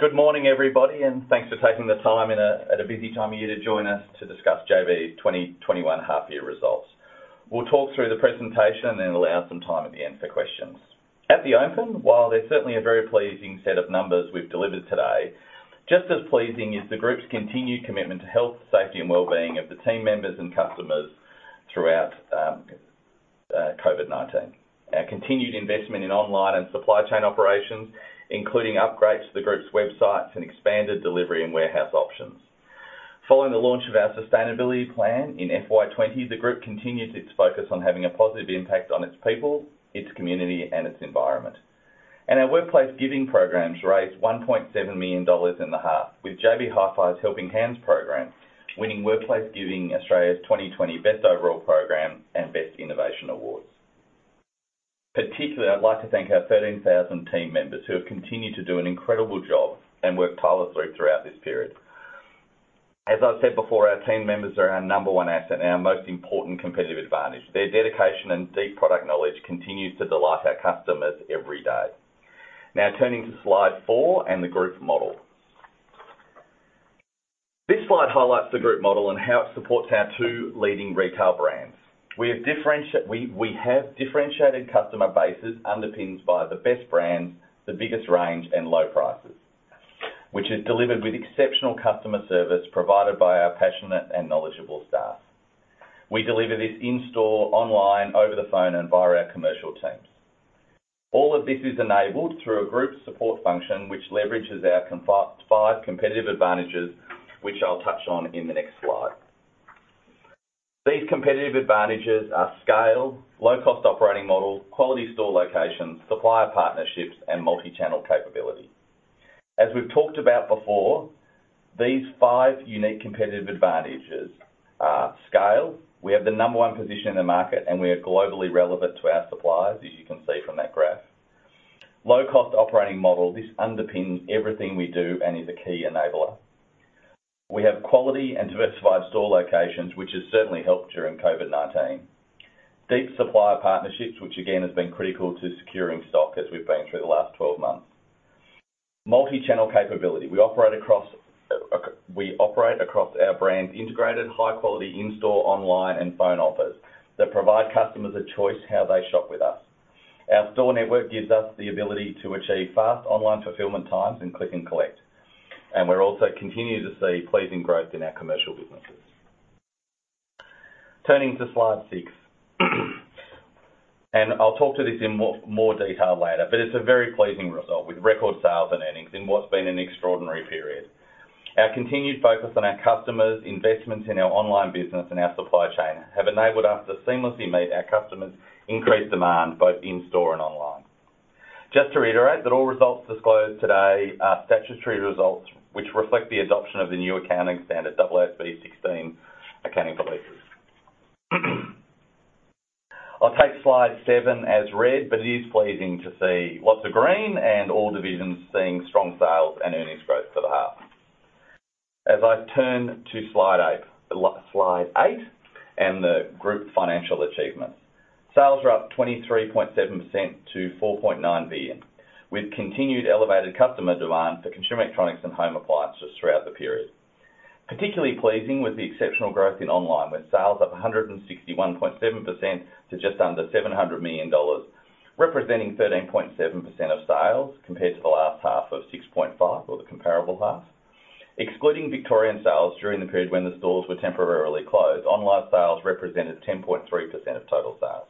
Good morning, everybody. Thanks for taking the time at a busy time of year to join us to discuss JB Hi-Fi 2021 half year results. We'll talk through the presentation and allow some time at the end for questions. At the open, while there's certainly a very pleasing set of numbers we've delivered today, just as pleasing is the group's continued commitment to health, safety, and wellbeing of the team members and customers throughout COVID-19. Our continued investment in online and supply chain operations, including upgrades to the group's websites and expanded delivery and warehouse options. Following the launch of our sustainability plan in FY 2020, the group continues its focus on having a positive impact on its people, its community, and its environment. Our workplace giving programs raised 1.7 million dollars in the half, with JB Hi-Fi's Helping Hands program winning Workplace Giving Australia's 2020 Best Overall Program and Best Innovation Awards. Particularly, I'd like to thank our 13,000 team members who have continued to do an incredible job and work tirelessly throughout this period. As I've said before, our team members are our number one asset and our most important competitive advantage. Their dedication and deep product knowledge continues to delight our customers every day. Turning to slide 4 and the group model. This slide highlights the group model and how it supports our two leading retail brands. We have differentiated customer bases underpinned by the best brands, the biggest range, and low prices, which is delivered with exceptional customer service provided by our passionate and knowledgeable staff. We deliver this in-store, online, over the phone, and via our commercial teams. All of this is enabled through a group support function, which leverages our five competitive advantages, which I'll touch on in the next slide. These competitive advantages are scale, low-cost operating model, quality store locations, supplier partnerships, and multi-channel capability. As we've talked about before, these five unique competitive advantages are scale. We have the number one position in the market, and we are globally relevant to our suppliers, as you can see from that graph. Low-cost operating model. This underpins everything we do and is a key enabler. We have quality and diversified store locations, which has certainly helped during COVID-19. Deep supplier partnerships, which again, has been critical to securing stock as we've been through the last 12 months. Multi-channel capability. We operate across our brand's integrated high-quality in-store, online, and phone offers that provide customers a choice how they shop with us. Our store network gives us the ability to achieve fast online fulfillment times and click and collect. We're also continuing to see pleasing growth in our commercial businesses. Turning to slide 6. I'll talk to this in more detail later, but it's a very pleasing result with record sales and earnings in what's been an extraordinary period. Our continued focus on our customers, investments in our online business, and our supply chain have enabled us to seamlessly meet our customers' increased demand both in-store and online. Just to reiterate that all results disclosed today are statutory results, which reflect the adoption of the new accounting standard AASB 16 accounting policies. I'll take slide seven as read, but it is pleasing to see lots of green and all divisions seeing strong sales and earnings growth for the half. As I turn to slide eight and the group financial achievements. Sales are up 23.7% to 4.9 billion, with continued elevated customer demand for consumer electronics and home appliances throughout the period. Particularly pleasing was the exceptional growth in online, with sales up 161.7% to just under 700 million dollars, representing 13.7% of sales compared to the last half of 6.5% or the comparable half. Excluding Victorian sales during the period when the stores were temporarily closed, online sales represented 10.3% of total sales.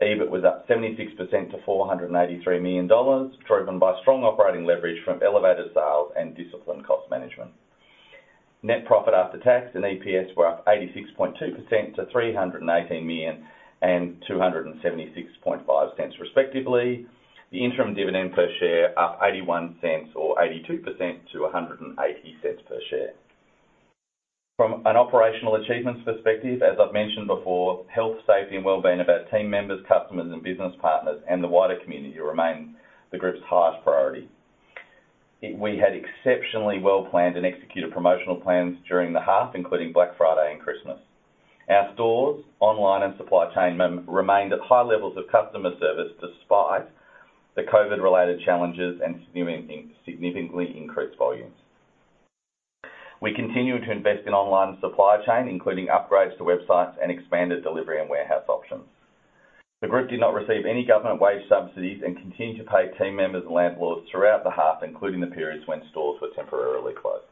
EBIT was up 76% to 483 million dollars, driven by strong operating leverage from elevated sales and disciplined cost management. Net profit after tax and EPS were up 86.2% to 318 million and 2.765 respectively. The interim dividend per share up 0.81 or 82% to 1.80 per share. From an operational achievements perspective, as I've mentioned before, health, safety, and wellbeing of our team members, customers, and business partners and the wider community remain the group's highest priority. We had exceptionally well-planned and executed promotional plans during the half, including Black Friday and Christmas. Our stores, online, and supply chain remained at high levels of customer service despite the COVID-related challenges and significantly increased volumes. We continued to invest in online and supply chain, including upgrades to websites and expanded delivery and warehouse options. The group did not receive any government wage subsidies and continued to pay team members and landlords throughout the half, including the periods when stores were temporarily closed.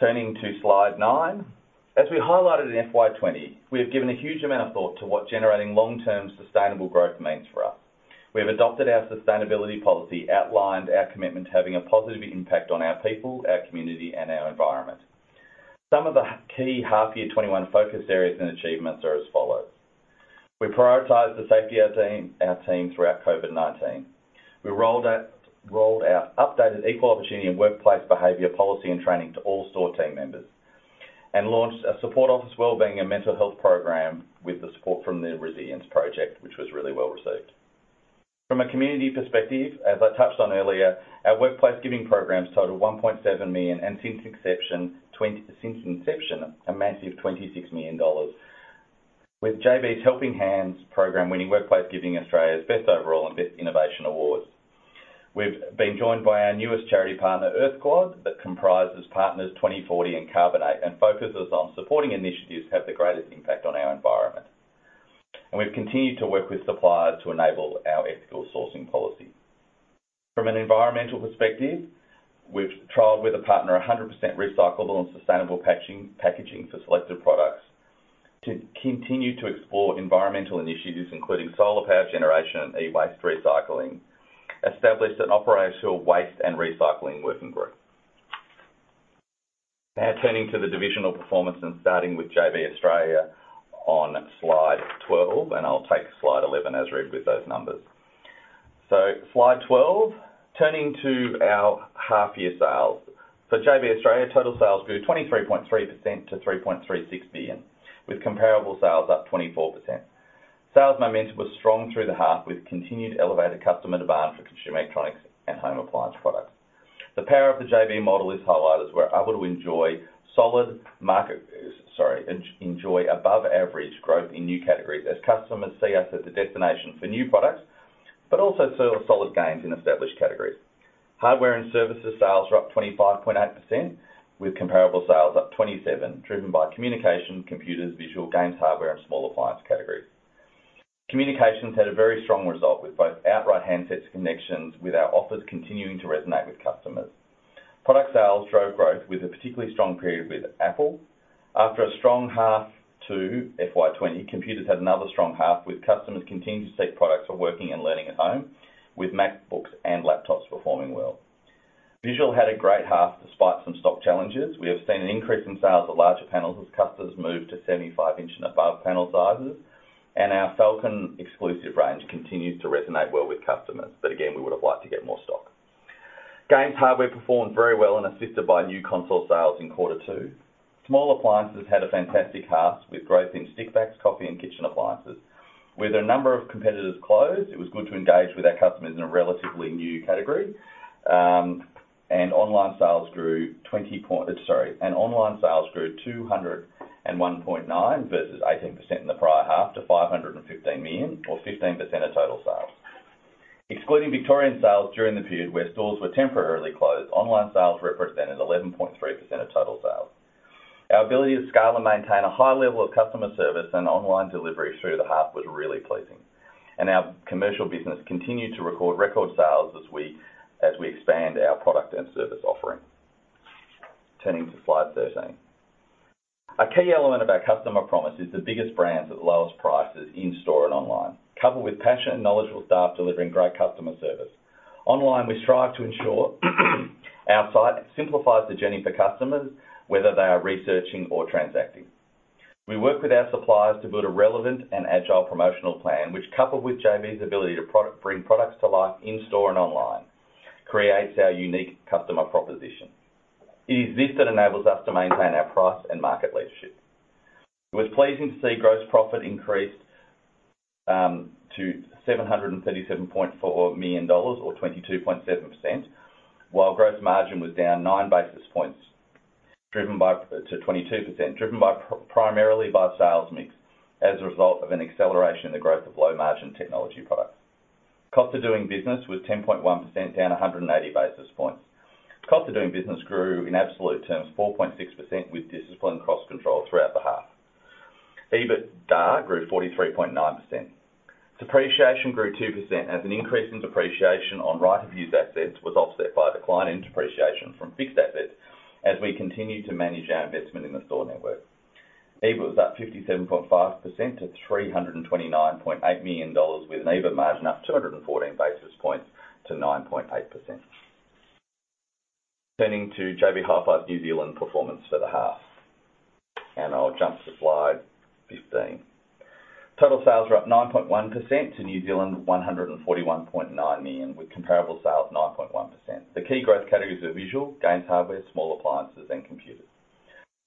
Turning to slide 9. As we highlighted in FY 2020, we have given a huge amount of thought to what generating long-term sustainable growth means for us. We have adopted our sustainability policy, outlined our commitment to having a positive impact on our people, our community, and our environment. Some of the key H1 2021 focus areas and achievements are as follows. We prioritized the safety of our team throughout COVID-19. We rolled out updated equal opportunity and workplace behavior policy and training to all store team members and launched a support office wellbeing and mental health program with the support from The Resilience Project, which was really well received. From a community perspective, as I touched on earlier, our workplace giving programs total 1.7 million, and since inception, a massive 26 million dollars, with JB's Helping Hands program winning Workplace Giving Australia's Best Overall and Best Innovation awards. We've been joined by our newest charity partner, Earth Squad, that comprises partners 2040 and Carbon8, focuses on supporting initiatives that have the greatest impact on our environment. We've continued to work with suppliers to enable our ethical sourcing policy. From an environmental perspective, we've trialed with a partner 100% recyclable and sustainable packaging for selected products to continue to explore environmental initiatives, including solar power generation and e-waste recycling, established an operational waste and recycling working group. Now turning to the divisional performance and starting with JB Australia on slide 12, I'll take slide 11 as read with those numbers. Slide 12, turning to our half-year sales. JB Australia total sales grew 23.3% to 3.36 billion, with comparable sales up 24%. Sales momentum was strong through the half with continued elevated customer demand for consumer electronics and home appliance products. The power of the JB model is highlighted, as we're able to enjoy above average growth in new categories as customers see us as a destination for new products, but also solid gains in established categories. Hardware and services sales were up 25.8%, with comparable sales up 27%, driven by communication, computers, visual, games hardware, and small appliance categories. Communications had a very strong result with both outright handsets connections, with our offers continuing to resonate with customers. Product sales drove growth with a particularly strong period with Apple. After a strong half to FY 2020, computers had another strong half with customers continuing to seek products for working and learning at home, with MacBooks and laptops performing well. Visual had a great half despite some stock challenges. We have seen an increase in sales of larger panels as customers move to 75-inch and above panel sizes, and our FFalcon exclusive range continues to resonate well with customers, but again, we would have liked to get more stock. Games hardware performed very well and assisted by new console sales in quarter 2. Small appliances had a fantastic half with growth in stick vacs, coffee, and kitchen appliances. With a number of competitors closed, it was good to engage with our customers in a relatively new category. Online sales grew 201.9% versus 18% in the prior half to 515 million, or 15% of total sales. Excluding Victorian sales during the period where stores were temporarily closed, online sales represented 11.3% of total sales. Our ability to scale and maintain a high level of customer service and online delivery through the half was really pleasing, and our commercial business continued to record sales as we expand our product and service offering. Turning to slide 13. A key element of our customer promise is the biggest brands at the lowest prices in-store and online, coupled with passion and knowledgeable staff delivering great customer service. Online, we strive to ensure our site simplifies the journey for customers, whether they are researching or transacting. We work with our suppliers to build a relevant and agile promotional plan, which coupled with JB's ability to bring products to life in-store and online, creates our unique customer proposition. It is this that enables us to maintain our price and market leadership. It was pleasing to see gross profit increase to 737.4 million dollars, or 22.7%, while gross margin was down nine basis points to 22%, driven primarily by sales mix as a result of an acceleration in the growth of low-margin technology products. Cost of doing business was 10.1% down 180 basis points. Cost of doing business grew in absolute terms 4.6% with disciplined cost control throughout the half. EBITDA grew 43.9%. Depreciation grew 2% as an increase in depreciation on right-of-use assets was offset by decline in depreciation from fixed assets as we continue to manage our investment in the store network. EBIT was up 57.5% to 329.8 million dollars with an EBIT margin up 214 basis points to 9.8%. Turning to JB Hi-Fi New Zealand performance for the half. I'll jump to slide 15. Total sales were up 9.1% to 141.9 million, with comparable sales 9.1%. The key growth categories are visual, games hardware, small appliances, and computers.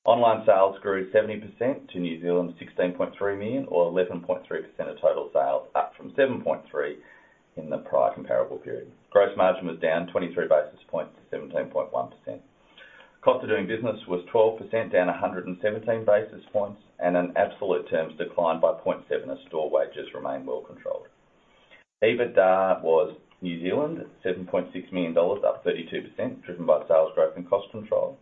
Online sales grew 70% to 16.3 million or 11.3% of total sales, up from 7.3% in the prior comparable period. Gross margin was down 23 basis points to 17.1%. Cost of doing business was 12% down 117 basis points and in absolute terms declined by 0.7% as store wages remain well controlled. EBITDA was 7.6 million dollars, up 32%, driven by sales growth and cost control.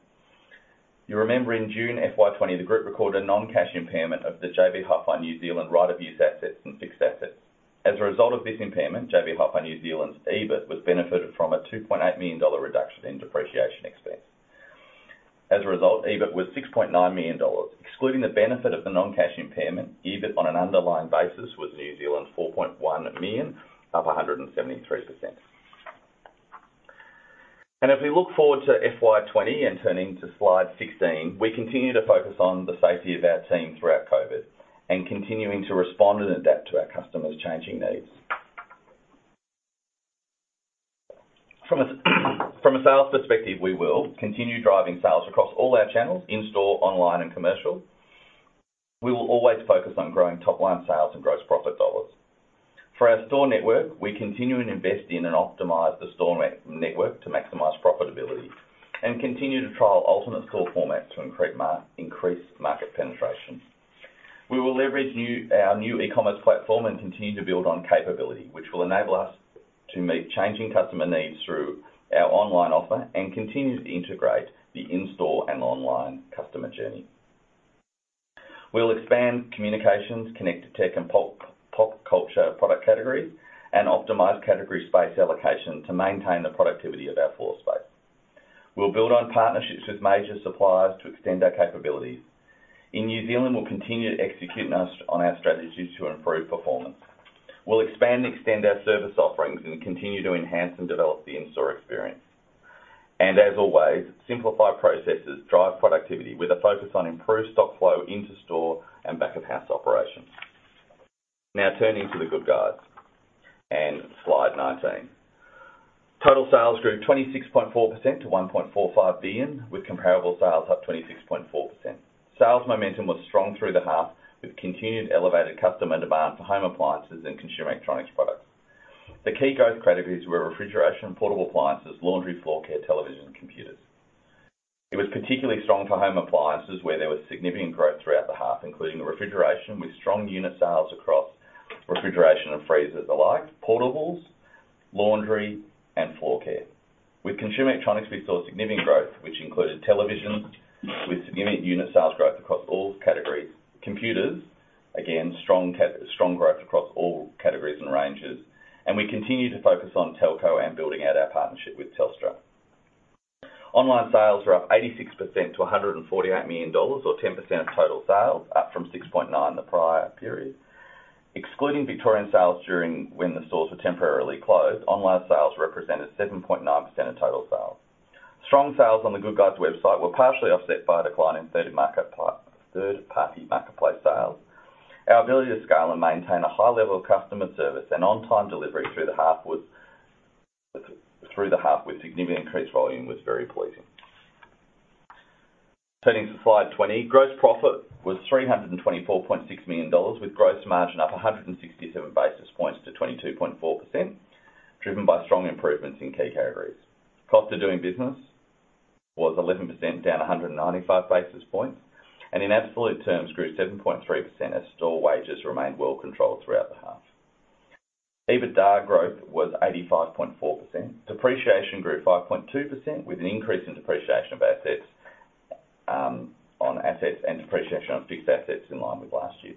You'll remember in June FY20, the group recorded a non-cash impairment of the JB Hi-Fi New Zealand right-of-use assets and fixed assets. As a result of this impairment, JB Hi-Fi New Zealand's EBIT was benefited from a 2.8 million dollar reduction in depreciation expense. As a result, EBIT was 6.9 million dollars. Excluding the benefit of the non-cash impairment, EBIT on an underlying basis was 4.1 million, up 173%. As we look forward to FY 2020 and turning to slide 16, we continue to focus on the safety of our team throughout COVID and continuing to respond and adapt to our customers' changing needs. From a sales perspective, we will continue driving sales across all our channels, in-store, online, and commercial. We will always focus on growing top-line sales and gross profit dollars. For our store network, we continue to invest in and optimize the store network to maximize profitability and continue to trial alternate store formats to increase market penetration. We will leverage our new e-commerce platform and continue to build on capability, which will enable us to meet changing customer needs through our online offer and continue to integrate the in-store and online customer journey. We'll expand communications, connected tech, and pop culture product categories and optimize category space allocation to maintain the productivity of our floor space. We'll build on partnerships with major suppliers to extend our capabilities. In New Zealand, we'll continue to execute on our strategies to improve performance. We'll expand and extend our service offerings and continue to enhance and develop the in-store experience. As always, simplify processes, drive productivity with a focus on improved stock flow into store and back-of-house operations. Now turning to The Good Guys and slide 19. Total sales grew 26.4% to 1.45 billion, with comparable sales up 26.4%. Sales momentum was strong through the half, with continued elevated customer demand for home appliances and consumer electronics products. The key growth categories were refrigeration, portable appliances, laundry, floor care, television, and computers. It was particularly strong for home appliances, where there was significant growth throughout the half, including the refrigeration, with strong unit sales across refrigeration and freezers alike, portables, laundry, and floor care. With consumer electronics, we saw significant growth, which included television, with significant unit sales growth across all categories. Computers, again, strong growth across all categories and ranges. We continue to focus on telco and building out our partnership with Telstra. Online sales were up 86% to 148 million dollars, or 10% of total sales, up from 6.9% the prior period. Excluding Victorian sales during when the stores were temporarily closed, online sales represented 7.9% of total sales. Strong sales on The Good Guys website were partially offset by a decline in third-party marketplace sales. Our ability to scale and maintain a high level of customer service and on-time delivery through the half with significant increased volume was very pleasing. Turning to slide 20. Gross profit was 324.6 million dollars, with gross margin up 167 basis points to 22.4%, driven by strong improvements in key categories. Cost of doing business was 11%, down 195 basis points, and in absolute terms, grew 7.3% as store wages remained well controlled throughout the half. EBITDA growth was 85.4%. Depreciation grew 5.2%, with an increase in depreciation on assets and depreciation on fixed assets in line with last year.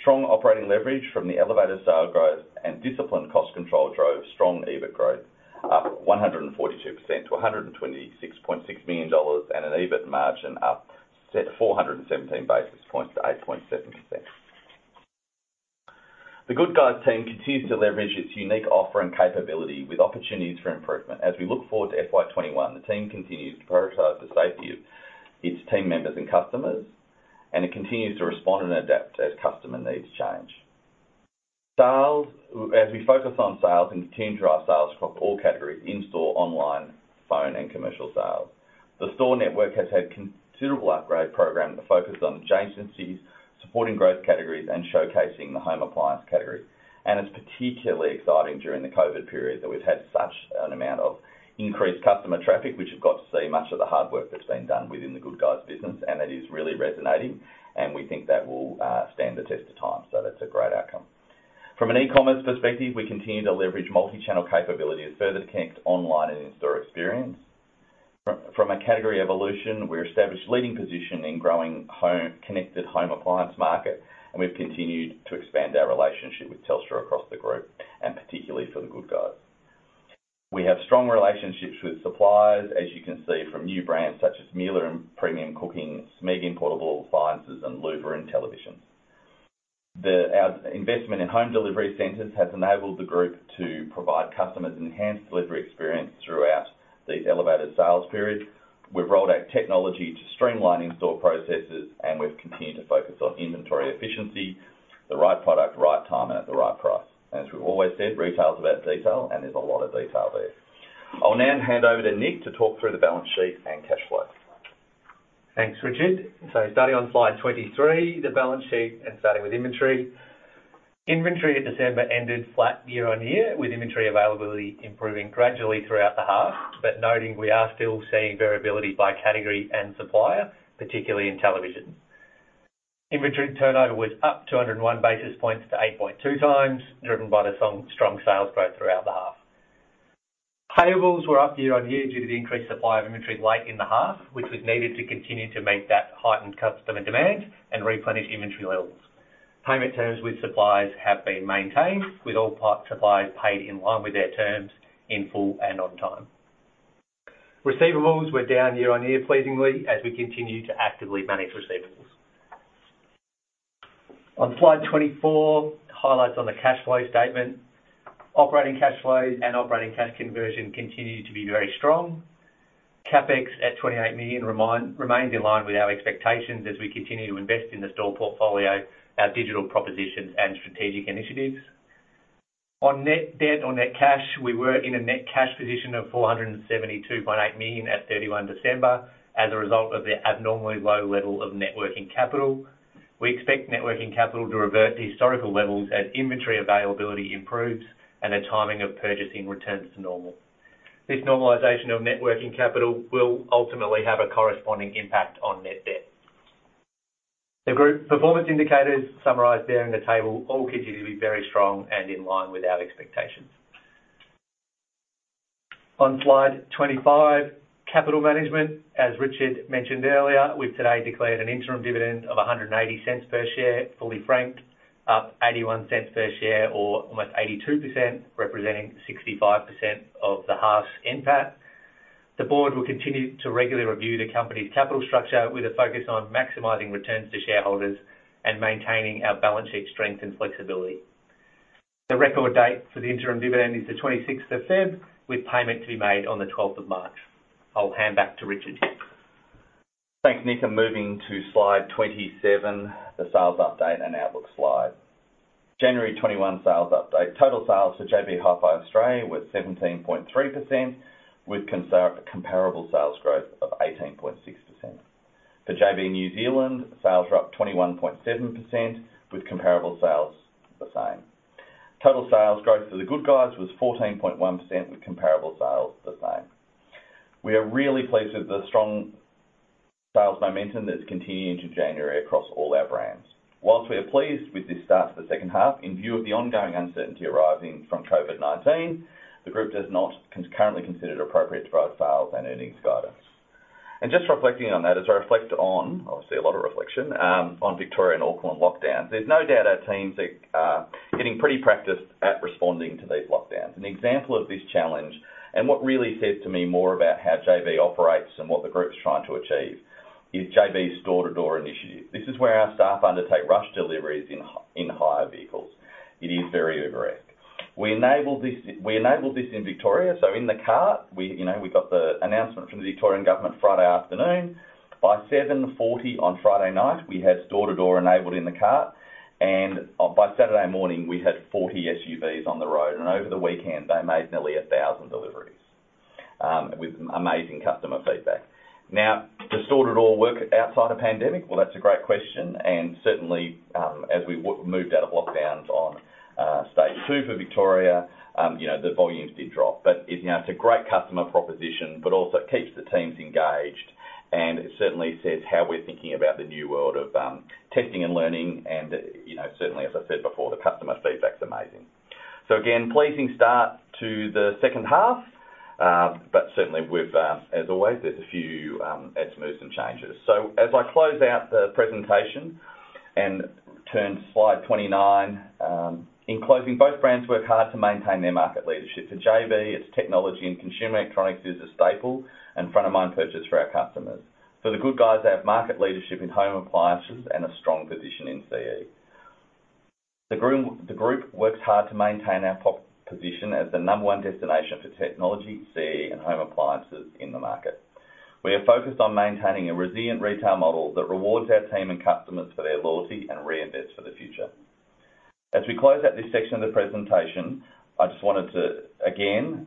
Strong operating leverage from the elevated sale growth and disciplined cost control drove strong EBIT growth up 142% to 126.6 million dollars and an EBIT margin up 417 basis points to 8.7%. The Good Guys team continues to leverage its unique offer and capability with opportunities for improvement. As we look forward to FY 2021, the team continues to prioritize the safety of its team members and customers. It continues to respond and adapt as customer needs change. We focus on sales and continue to drive sales across all categories, in-store, online, phone, and commercial sales. The store network has had considerable upgrade program focused on the changed cities, supporting growth categories, and showcasing the home appliance category. It's particularly exciting during the COVID period that we've had such an amount of increased customer traffic, which you've got to see much of the hard work that's been done within The Good Guys business. That is really resonating, and we think that will stand the test of time. That's a great outcome. From an e-commerce perspective, we continue to leverage multi-channel capabilities to further connect online and in-store experience. From a category evolution, we established leading position in growing connected home appliance market, and we've continued to expand our relationship with Telstra across the group, and particularly for The Good Guys. We have strong relationships with suppliers, as you can see, from new brands such as Miele in premium cooking, Smeg in portable appliances, and Loewe in television. Our investment in home delivery centers has enabled the group to provide customers an enhanced delivery experience throughout the elevated sales period. We've rolled out technology to streamline in-store processes, and we've continued to focus on inventory efficiency, the right product, right time, and at the right price. As we've always said, retail is about detail, and there's a lot of detail there. I'll now hand over to Nick to talk through the balance sheet and cash flow. Thanks, Richard. Starting on slide 23, the balance sheet and starting with inventory. Inventory at December ended flat year-on-year, with inventory availability improving gradually throughout the half, but noting we are still seeing variability by category and supplier, particularly in television. Inventory turnover was up 201 basis points to 8.2x, driven by the strong sales growth throughout the half. Payables were up year-on-year due to the increased supply of inventory late in the half, which was needed to continue to meet that heightened customer demand and replenish inventory levels. Payment terms with suppliers have been maintained, with all suppliers paid in line with their terms in full and on time. Receivables were down year-on-year pleasingly as we continue to actively manage receivables. On slide 24, highlights on the cash flow statement. Operating cash flows and operating cash conversion continue to be very strong. CapEx at 28 million remains in line with our expectations as we continue to invest in the store portfolio, our digital propositions, and strategic initiatives. On net debt or net cash, we were in a net cash position of 472.8 million at 31 December as a result of the abnormally low level of net working capital. We expect net working capital to revert to historical levels as inventory availability improves and the timing of purchasing returns to normal. This normalization of net working capital will ultimately have a corresponding impact on net debt. The group performance indicators summarized there in the table all continue to be very strong and in line with our expectations. On slide 25, capital management. As Richard mentioned earlier, we've today declared an interim dividend of 1.80 per share, fully franked, up 0.81 per share or almost 82%, representing 65% of the half's NPAT. The board will continue to regularly review the company's capital structure with a focus on maximizing returns to shareholders and maintaining our balance sheet strength and flexibility. The record date for the interim dividend is the 26th of February, with payment to be made on the 12th of March. I will hand back to Richard. Thanks, Nick. Moving to slide 27, the sales update and outlook slide. January 2021 sales update. Total sales for JB Hi-Fi Australia was 17.3%, with comparable sales growth of 18.6%. For JB New Zealand, sales were up 21.7% with comparable sales the same. Total sales growth for The Good Guys was 14.1% with comparable sales the same. We are really pleased with the strong sales momentum that's continued into January across all our brands. Whilst we are pleased with this start to the second half, in view of the ongoing uncertainty arising from COVID-19, the group does not currently consider it appropriate to provide sales and earnings guidance. Just reflecting on that, as I reflect on, obviously a lot of reflection, on Victoria and Auckland lockdowns, there's no doubt our teams are getting pretty practiced at responding to these lockdowns. An example of this challenge and what really says to me more about how JB operates and what the group is trying to achieve is JB's door-to-door initiative. This is where our staff undertake rush deliveries in hire vehicles. It is very aggressive. We enabled this in Victoria. In the cart, we've got the announcement from the Victorian government Friday afternoon. By 7:40 P.M. on Friday night, we had door-to-door enabled in the cart, and by Saturday morning we had 40 SUVs on the road, and over the weekend they made nearly 1,000 deliveries with amazing customer feedback. Does door-to-door work outside of pandemic? Well, that's a great question, and certainly, as we moved out of lockdowns on stage 2 for Victoria, the volumes did drop. It's a great customer proposition, but also it keeps the teams engaged and it certainly says how we're thinking about the new world of testing and learning, and certainly, as I said before, the customer feedback's amazing. Again, pleasing start to the second half. Certainly as always, there's a few edits, moves, and changes. As I close out the presentation and turn to slide 29. In closing, both brands work hard to maintain their market leadership. For JB, its technology and consumer electronics is a staple and front-of-mind purchase for our customers. For The Good Guys, they have market leadership in home appliances and a strong position in CE. The group works hard to maintain our position as the number 1 destination for technology, CE, and home appliances in the market. We are focused on maintaining a resilient retail model that rewards our team and customers for their loyalty and reinvests for the future. As we close out this section of the presentation, I just wanted to again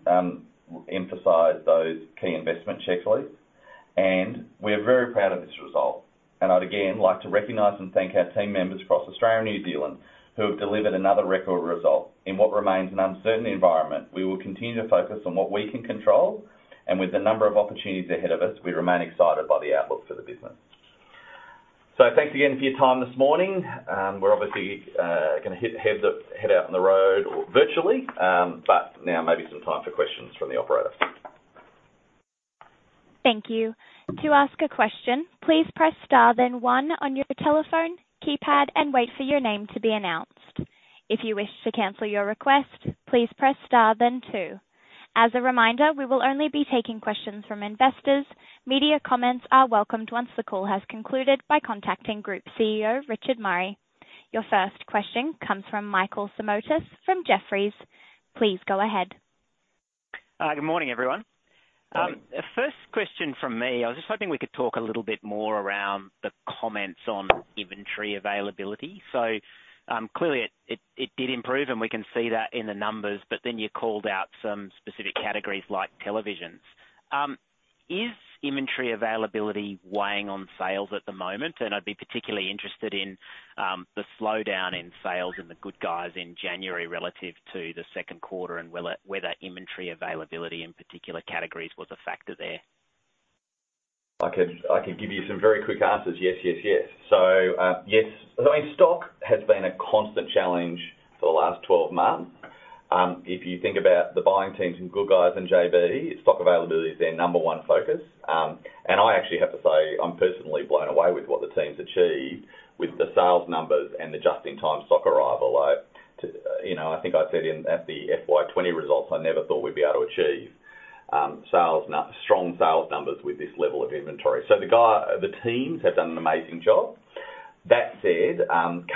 emphasize those key investment checklists. We are very proud of this result, and I'd again like to recognize and thank our team members across Australia and New Zealand who have delivered another record result in what remains an uncertain environment. We will continue to focus on what we can control, and with the number of opportunities ahead of us, we remain excited by the outlook for the business. Thanks again for your time this morning. We're obviously going to head out on the road virtually. Now maybe some time for questions from the operator. Thank you. To ask a question, please press star then one on your telephone keypad and wait for your name to be announced. If you wish to cancel your request, please press star then two. As a reminder, we will only be taking questions from investors. Media comments are welcomed once the call has concluded by contacting Group CEO, Richard Murray. Your first question comes from Michael Simotas from Jefferies. Please go ahead. Good morning, everyone. Morning. First question from me. I was just hoping we could talk a little bit more around the comments on inventory availability. Clearly it did improve, and we can see that in the numbers. You called out some specific categories like televisions. Is inventory availability weighing on sales at the moment? I'd be particularly interested in the slowdown in sales in The Good Guys in January relative to the second quarter, and whether inventory availability in particular categories was a factor there. I can give you some very quick answers. Yes, stock has been a constant challenge for the last 12 months. If you think about the buying teams in The Good Guys and JB, stock availability is their number one focus. I actually have to say, I'm personally blown away with what the team's achieved with the sales numbers and the just-in-time stock arrival. I think I said in at the FY 2020 results, I never thought we'd be able to achieve strong sales numbers with this level of inventory. The teams have done an amazing job. That said, JB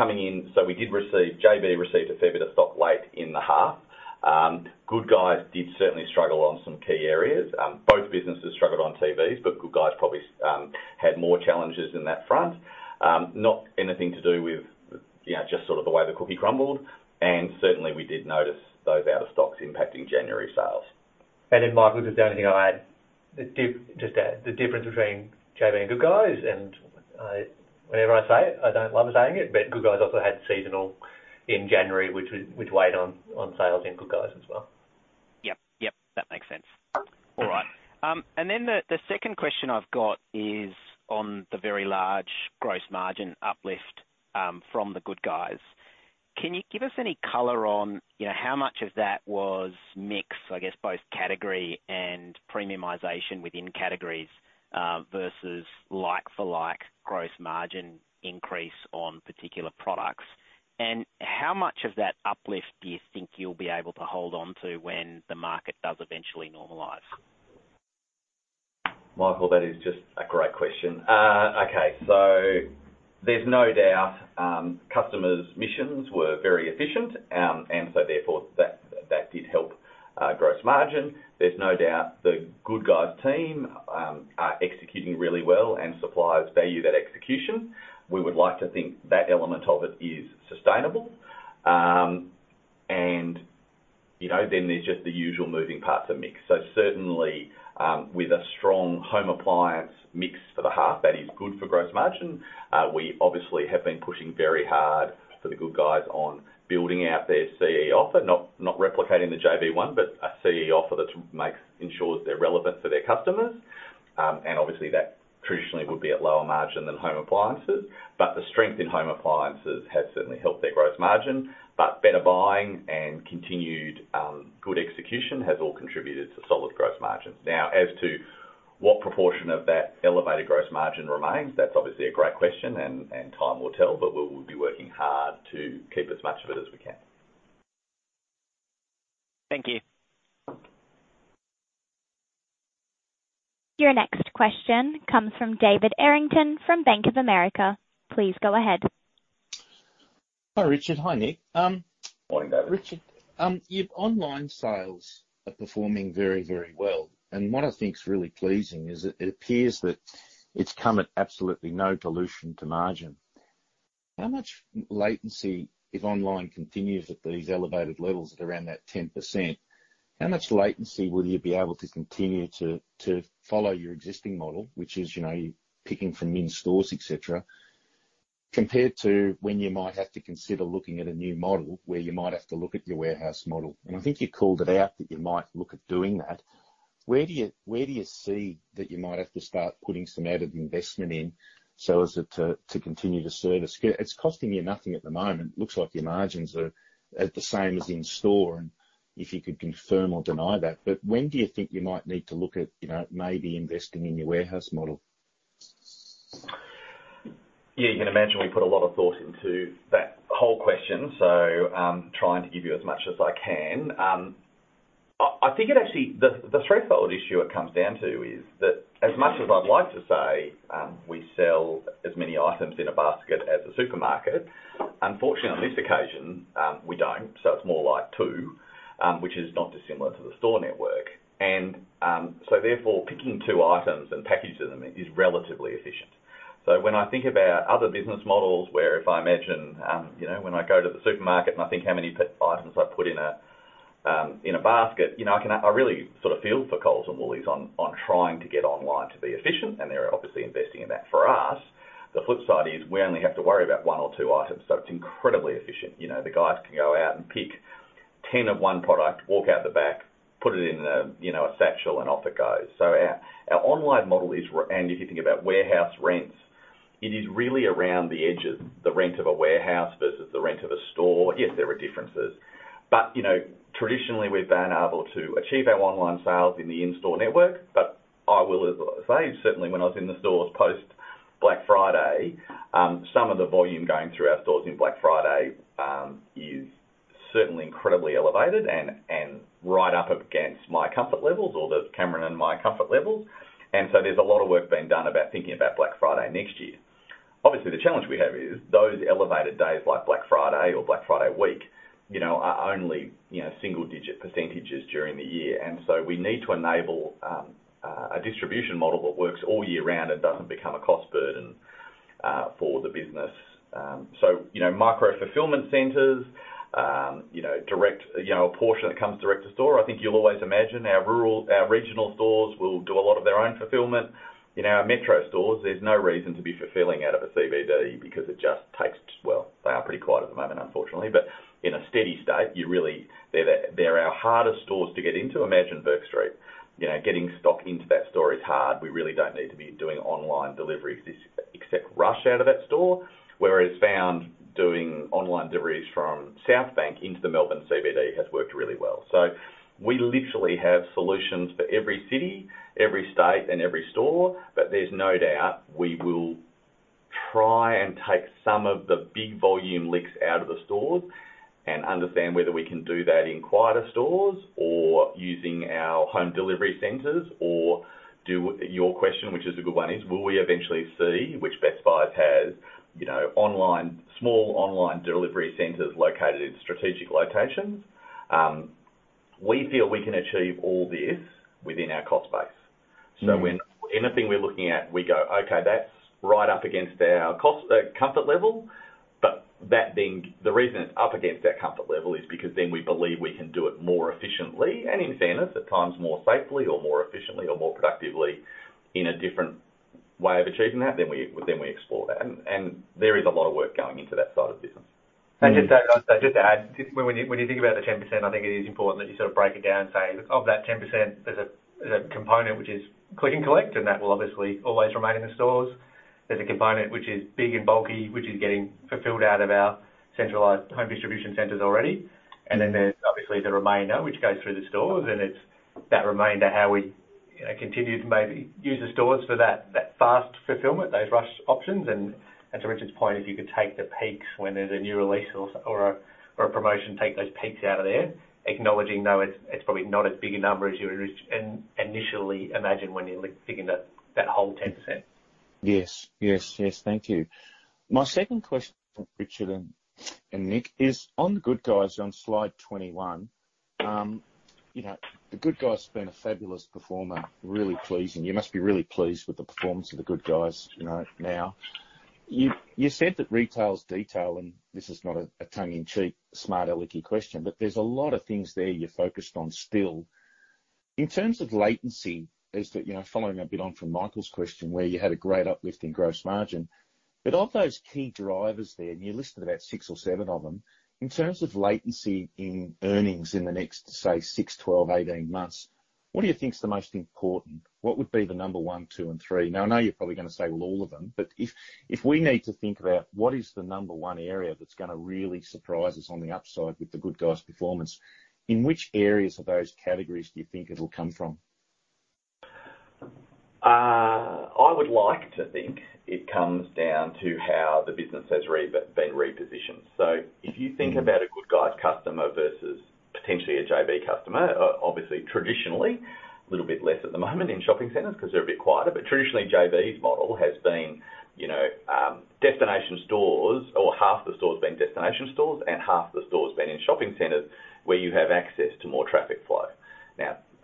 received a fair bit of stock late in the half. The Good Guys did certainly struggle on some key areas. Both businesses struggled on TVs, but The Good Guys probably had more challenges in that front. Not anything to do with just sort of the way the cookie crumbled, and certainly we did notice those out of stocks impacting January sales. Michael, just the only thing I add, just the difference between JB and Good Guys, and whenever I say it, I don't love saying it, but Good Guys also had seasonal in January, which weighed on sales in Good Guys as well. Yep. That makes sense. All right. The second question I've got is on the very large gross margin uplift from The Good Guys. Can you give us any color on how much of that was mix, I guess, both category and premiumization within categories, versus like-for-like gross margin increase on particular products? How much of that uplift do you think you'll be able to hold on to when the market does eventually normalize? Michael, that is just a great question. Okay. There's no doubt customers' missions were very efficient. Therefore that did help gross margin. There's no doubt The Good Guys team are executing really well and suppliers value that execution. We would like to think that element of it is sustainable. Then there's just the usual moving parts of mix. Certainly, with a strong home appliance mix for the half, that is good for gross margin. We obviously have been pushing very hard for The Good Guys on building out their CE offer, not replicating the JB one, but a CE offer that ensures they're relevant for their customers. Obviously that traditionally would be at lower margin than home appliances, but the strength in home appliances has certainly helped their gross margin. Better buying and continued good execution has all contributed to solid gross margins. As to what proportion of that elevated gross margin remains, that's obviously a great question, and time will tell. We will be working hard to keep as much of it as we can. Thank you. Your next question comes from David Errington from Bank of America. Please go ahead. Hi, Richard. Hi, Nick. Morning, David. Richard, your online sales are performing very, very well, and what I think is really pleasing is that it appears that it's come at absolutely no dilution to margin. If online continues at these elevated levels at around that 10%, how much latency will you be able to continue to follow your existing model, which is, picking from in-stores, et cetera, compared to when you might have to consider looking at a new model where you might have to look at your warehouse model? I think you called it out that you might look at doing that. Where do you see that you might have to start putting some added investment in so as to continue to service? It's costing you nothing at the moment. Looks like your margins are at the same as in store and if you could confirm or deny that. When do you think you might need to look at maybe investing in your warehouse model? You can imagine we put a lot of thought into that whole question. Trying to give you as much as I can. I think it actually, the threefold issue it comes down to is that as much as I'd like to say we sell as many items in a basket as a supermarket, unfortunately, on this occasion, we don't. It's more like two, which is not dissimilar to the store network. Therefore, picking two items and packaging them is relatively efficient. When I think about other business models where if I imagine when I go to the supermarket and I think how many items I put in a basket, I really sort of feel for Coles and Woolies on trying to get online to be efficient, and they're obviously investing in that. For us, the flip side is we only have to worry about one or two items, so it's incredibly efficient. The guys can go out and pick 10 of one product, walk out the back, put it in a satchel, and off it goes. If you think about warehouse rents, it is really around the edges, the rent of a warehouse versus the rent of a store. Yes, there are differences. Traditionally we've been able to achieve our online sales in the in-store network. I will say, certainly when I was in the stores post-Black Friday, some of the volume going through our stores in Black Friday is certainly incredibly elevated and right up against my comfort levels, or the Cameron and my comfort levels. There's a lot of work being done about thinking about Black Friday next year. Obviously, the challenge we have is those elevated days like Black Friday or Black Friday week are only single-digit percentages during the year. We need to enable a distribution model that works all year round and doesn't become a cost burden for the business. Micro-fulfillment centers, a portion that comes direct to store. I think you'll always imagine our regional stores will do a lot of their own fulfillment. In our metro stores, there's no reason to be fulfilling out of a CBD. Well, they are pretty quiet at the moment, unfortunately. In a steady state, they're our hardest stores to get into. Imagine Bourke Street, getting stock into that store is hard. We really don't need to be doing online deliveries except rush out of that store. Whereas Found doing online deliveries from Southbank into the Melbourne CBD has worked really well. We literally have solutions for every city, every state, and every store. There's no doubt we will try and take some of the big volume licks out of the stores and understand whether we can do that in quieter stores or using our home delivery centers or do your question, which is a good one, is will we eventually see which Best Buy has small online delivery centers located in strategic locations? We feel we can achieve all this within our cost base. Anything we're looking at, we go, "Okay, that's right up against our cost comfort level." That being the reason it's up against that comfort level is because then we believe we can do it more efficiently and in centers, at times more safely or more efficiently or more productively in a different way of achieving that, then we explore that. There is a lot of work going into that side of the business. Just to add, when you think about the 10%, I think it is important that you sort of break it down and say, look, of that 10%, there's a component which is click and collect, and that will obviously always remain in the stores. There's a component which is big and bulky, which is getting fulfilled out of our centralized home distribution centers already. Then there's obviously the remainder, which goes through the stores, and it's that remainder how we continue to maybe use the stores for that fast fulfillment, those rush options. To Richard's point, if you could take the peaks when there's a new release or a promotion, take those peaks out of there, acknowledging, though, it's probably not as big a number as you initially imagine when you're thinking that whole 10%. Yes. Thank you. My second question for Richard and Nick is on The Good Guys on slide 21. The Good Guys has been a fabulous performer, really pleasing. You must be really pleased with the performance of The Good Guys now. You said that retail is detail, and this is not a tongue-in-cheek, smart alecky question, but there's a lot of things there you're focused on still. In terms of latency, following a bit on from Michael's question, where you had a great uplift in gross margin, but of those key drivers there, and you listed about six or seven of them, in terms of latency in earnings in the next, say, six, 12, 18 months, what do you think is the most important? What would be the number one, two, and three? I know you're probably going to say, well, all of them, but if we need to think about what is the number one area that's going to really surprise us on the upside with The Good Guys' performance, in which areas of those categories do you think it'll come from? I would like to think it comes down to how the business has been repositioned. If you think about a Good Guys customer versus potentially a JB customer, obviously traditionally, a little bit less at the moment in shopping centers because they're a bit quieter, but traditionally, JB's model has been destination stores, or half the stores being destination stores and half the stores being in shopping centers where you have access to more traffic flow.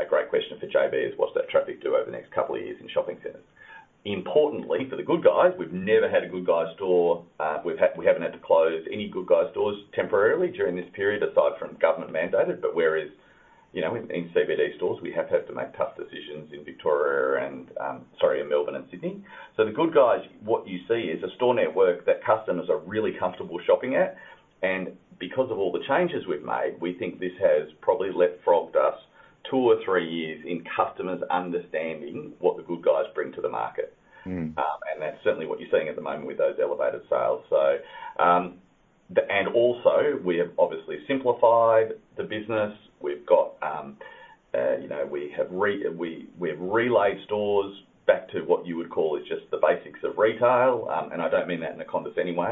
A great question for JB is what's that traffic do over the next couple of years in shopping centers. Importantly, for The Good Guys, we've never had a Good Guys store. We haven't had to close any Good Guys stores temporarily during this period, aside from government-mandated, whereas in CBD stores, we have had to make tough decisions in Victoria and, sorry, in Melbourne and Sydney. The Good Guys, what you see is a store network that customers are really comfortable shopping at. Because of all the changes we've made, we think this has probably leapfrogged us two or three years in customers understanding what The Good Guys bring to the market. That's certainly what you're seeing at the moment with those elevated sales. Also, we have obviously simplified the business. We've relayed stores back to what you would call is just the basics of retail, and I don't mean that in a condescending way.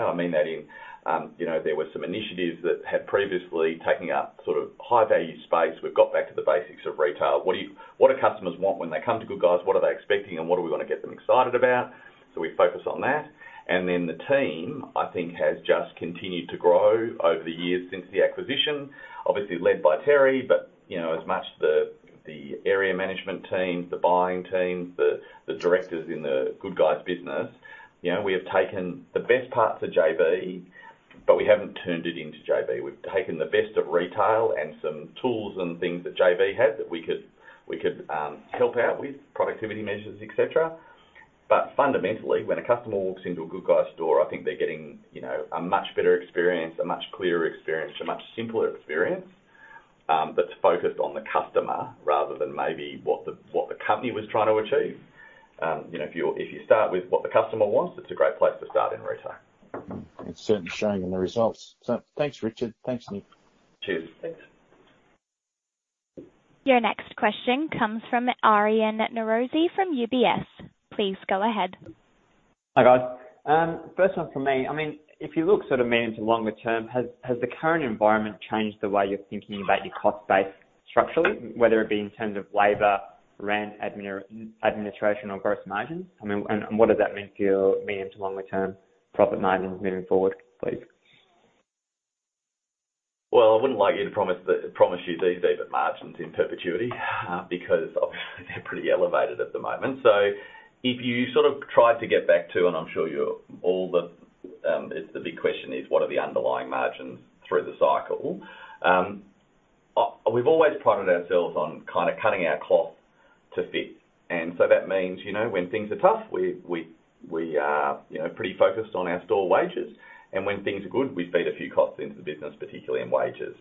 There were some initiatives that had previously taken up high-value space. We've got back to the basics of retail. What do customers want when they come to The Good Guys? What are they expecting, and what are we going to get them excited about? We focus on that. Then the team, I think, has just continued to grow over the years since the acquisition, obviously led by Terry, but as much the area management teams, the buying teams, the directors in The Good Guys business. We have taken the best parts of JB, but we haven't turned it into JB. We've taken the best of retail and some tools and things that JB had that we could help out with, productivity measures, et cetera. Fundamentally, when a customer walks into a Good Guys store, I think they're getting a much better experience, a much clearer experience, a much simpler experience. That's focused on the customer rather than maybe what the company was trying to achieve. If you start with what the customer wants, it's a great place to start in retail. It's certainly showing in the results. Thanks, Richard. Thanks, Nick. Cheers. Thanks. Your next question comes from Aryan Norozi from UBS. Please go ahead. Hi, guys. First one from me. If you look sort of medium to longer term, has the current environment changed the way you're thinking about your cost base structurally, whether it be in terms of labor, rent, administration, or gross margins? What does that mean for your medium to longer-term profit margins moving forward, please? Well, I wouldn't like to promise you these EBITDA margins in perpetuity because obviously they're pretty elevated at the moment. If you try to get back to, it's the big question is what are the underlying margins through the cycle? We've always prided ourselves on kind of cutting our cloth to fit. That means when things are tough, we are pretty focused on our store wages. When things are good, we feed a few costs into the business, particularly in wages.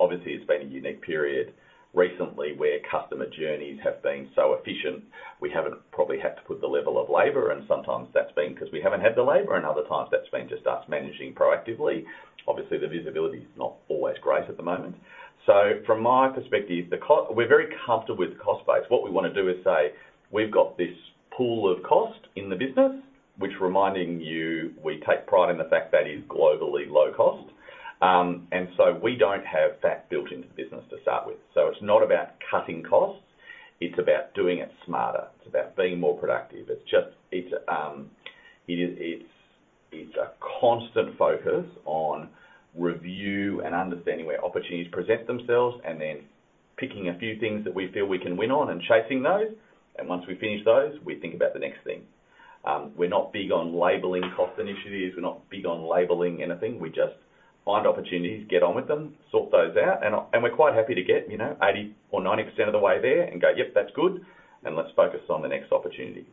Obviously, it's been a unique period recently where customer journeys have been so efficient. We haven't probably had to put the level of labor in. Sometimes that's been because we haven't had the labor, and other times that's been just us managing proactively. Obviously, the visibility is not always great at the moment. From my perspective, we're very comfortable with the cost base. What we want to do is say, we've got this pool of cost in the business, which reminding you, we take pride in the fact that is globally low cost. We don't have that built into the business to start with. It's not about cutting costs, it's about doing it smarter. It's about being more productive. It's a constant focus on review and understanding where opportunities present themselves, and then picking a few things that we feel we can win on and chasing those. Once we finish those, we think about the next thing. We're not big on labeling cost initiatives. We're not big on labeling anything. We just find opportunities, get on with them, sort those out, and we're quite happy to get 80% or 90% of the way there and go, "Yep, that's good," and let's focus on the next opportunity.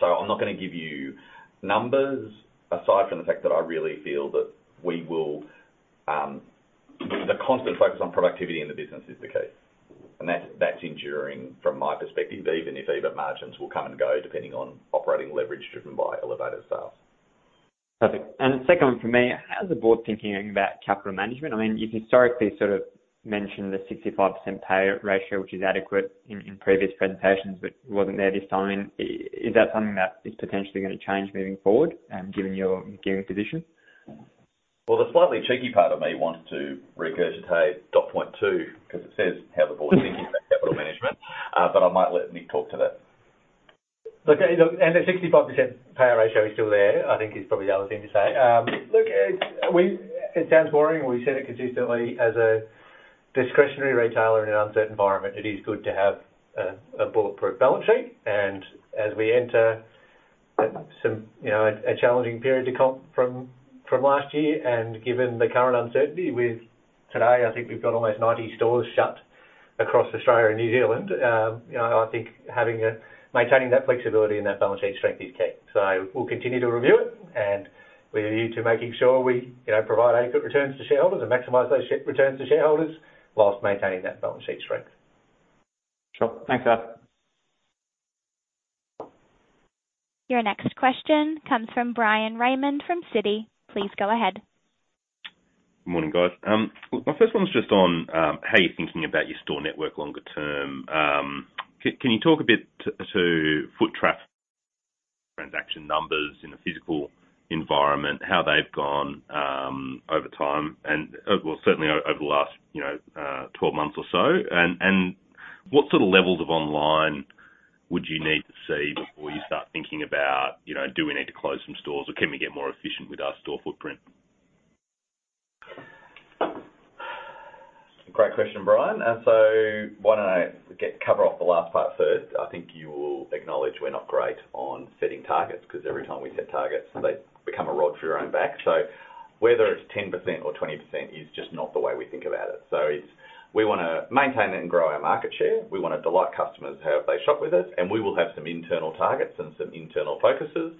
I'm not going to give you numbers aside from the fact that I really feel that the constant focus on productivity in the business is the key. That's enduring from my perspective, even if EBIT margins will come and go depending on operating leverage driven by elevated sales. Perfect. The second one from me, how is the board thinking about capital management? You historically sort of mentioned the 65% payout ratio, which is adequate in previous presentations, but it wasn't there this time. Is that something that is potentially going to change moving forward, given your gearing position? Well, the slightly cheeky part of me wants to regurgitate dot point two, because it says how the board is thinking about capital management. I might let Nick talk to that. Look, the 65% payout ratio is still there, I think is probably the other thing to say. Look, it sounds boring. We've said it consistently as a discretionary retailer in an uncertain environment, it is good to have a bulletproof balance sheet. As we enter a challenging period to come from last year, and given the current uncertainty with today, I think we've got almost 90 stores shut across Australia and New Zealand. I think maintaining that flexibility and that balance sheet strength is key. We'll continue to review it, and we're committed to making sure we provide adequate returns to shareholders and maximize those returns to shareholders while maintaining that balance sheet strength. Sure. Thanks, guys. Your next question comes from Bryan Raymond from Citi. Please go ahead. Morning, guys. Look, my first one was just on how you're thinking about your store network longer term. Can you talk a bit to foot traffic transaction numbers in the physical environment, how they've gone over time and well, certainly over the last 12 months or so? What sort of levels of online would you need to see before you start thinking about, do we need to close some stores or can we get more efficient with our store footprint? Great question, Bryan. Why don't I cover off the last part first? I think you will acknowledge we're not great on setting targets because every time we set targets, they become a rod for your own back. Whether it's 10% or 20% is just not the way we think about it. We want to maintain and grow our market share. We want to delight customers however they shop with us, and we will have some internal targets and some internal focuses.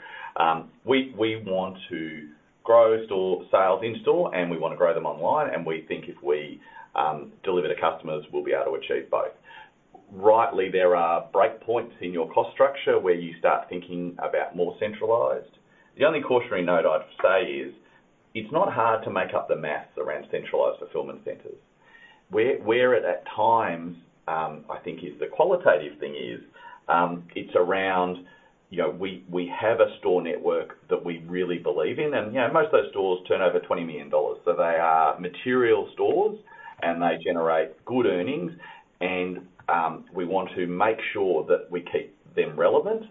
We want to grow store sales in-store, and we want to grow them online, and we think if we deliver to customers, we'll be able to achieve both. Rightly, there are breakpoints in your cost structure where you start thinking about more centralized. The only cautionary note I'd say is, it's not hard to make up the math around centralized fulfillment centers. Where at times, I think the qualitative thing is, it's around we have a store network that we really believe in, and most of those stores turn over 20 million dollars. They are material stores and they generate good earnings, and we want to make sure that we keep them relevant.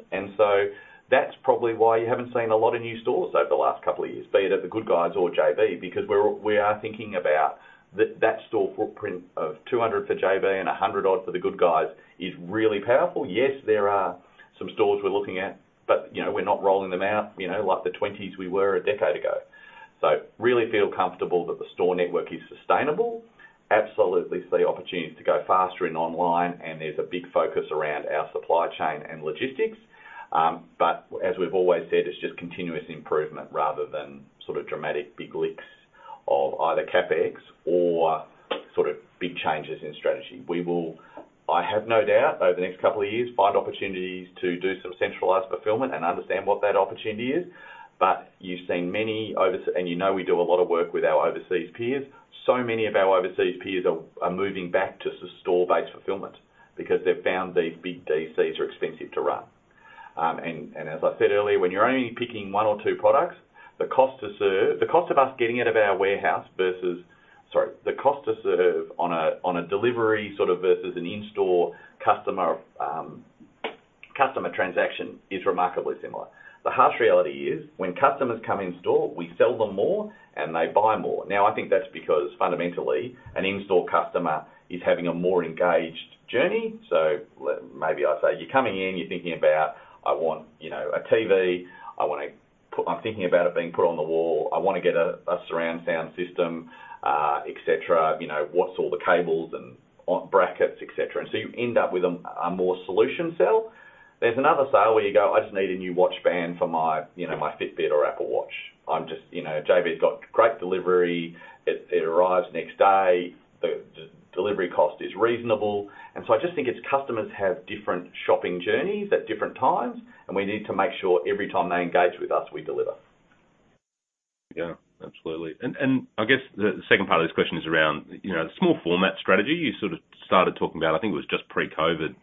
That's probably why you haven't seen a lot of new stores over the last couple of years, be it at The Good Guys or JB, because we are thinking about that store footprint of 200 for JB and 100 odd for The Good Guys is really powerful. Yes, there are some stores we're looking at, but we're not rolling them out, like the 20s we were a decade ago. Really feel comfortable that the store network is sustainable. Absolutely see opportunities to go faster in online, and there's a big focus around our supply chain and logistics. As we've always said, it's just continuous improvement rather than sort of dramatic big leaps of either CapEx or sort of big changes in strategy. We will, I have no doubt, over the next couple of years, find opportunities to do some centralized fulfillment and understand what that opportunity is. You've seen many, and you know we do a lot of work with our overseas peers. Many of our overseas peers are moving back to store-based fulfillment because they've found these big DCs are expensive to run. As I said earlier, when you're only picking one or two products, the cost to serve on a delivery sort of versus an in-store customer transaction is remarkably similar. The harsh reality is when customers come in store, we sell them more and they buy more. I think that's because fundamentally an in-store customer is having a more engaged journey. Maybe I say you're coming in, you're thinking about, I want a TV. I'm thinking about it being put on the wall. I want to get a surround sound system, et cetera. What's all the cables and brackets, et cetera. You end up with a more solution sell. There's another sale where you go, "I just need a new watch band for my Fitbit or Apple Watch." JB's got great delivery. It arrives next day. The delivery cost is reasonable. I just think it's customers have different shopping journeys at different times, and we need to make sure every time they engage with us, we deliver. Yeah, absolutely. I guess the second part of this question is around the small format strategy you sort of started talking about, I think it was just pre-COVID.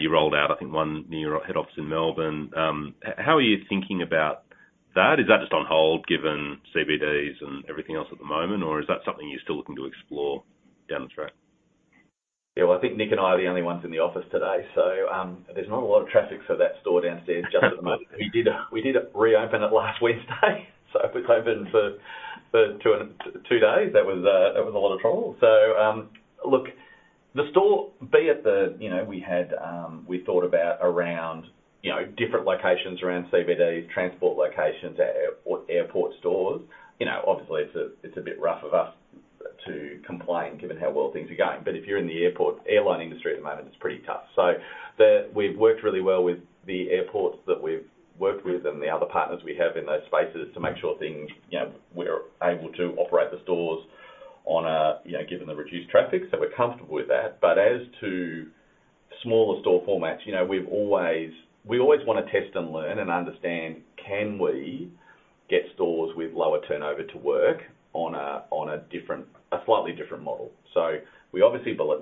You rolled out, I think, one near our head office in Melbourne. How are you thinking about that? Is that just on hold given CBDs and everything else at the moment, or is that something you're still looking to explore down the track? Well, I think Nick and I are the only ones in the office today, so there's not a lot of traffic for that store downstairs just at the moment. We did reopen it last Wednesday, so it was open for two days. That was a lot of trouble. Look, the store, we thought about around different locations around CBD, transport locations, airport stores. Obviously it's a bit rough of us to complain given how well things are going. If you're in the airline industry at the moment, it's pretty tough. We've worked really well with the airports that we've worked with and the other partners we have in those spaces to make sure we're able to operate the stores given the reduced traffic. We're comfortable with that. As to smaller store formats, we always want to test and learn and understand, can we get stores with lower turnover to work on a slightly different model?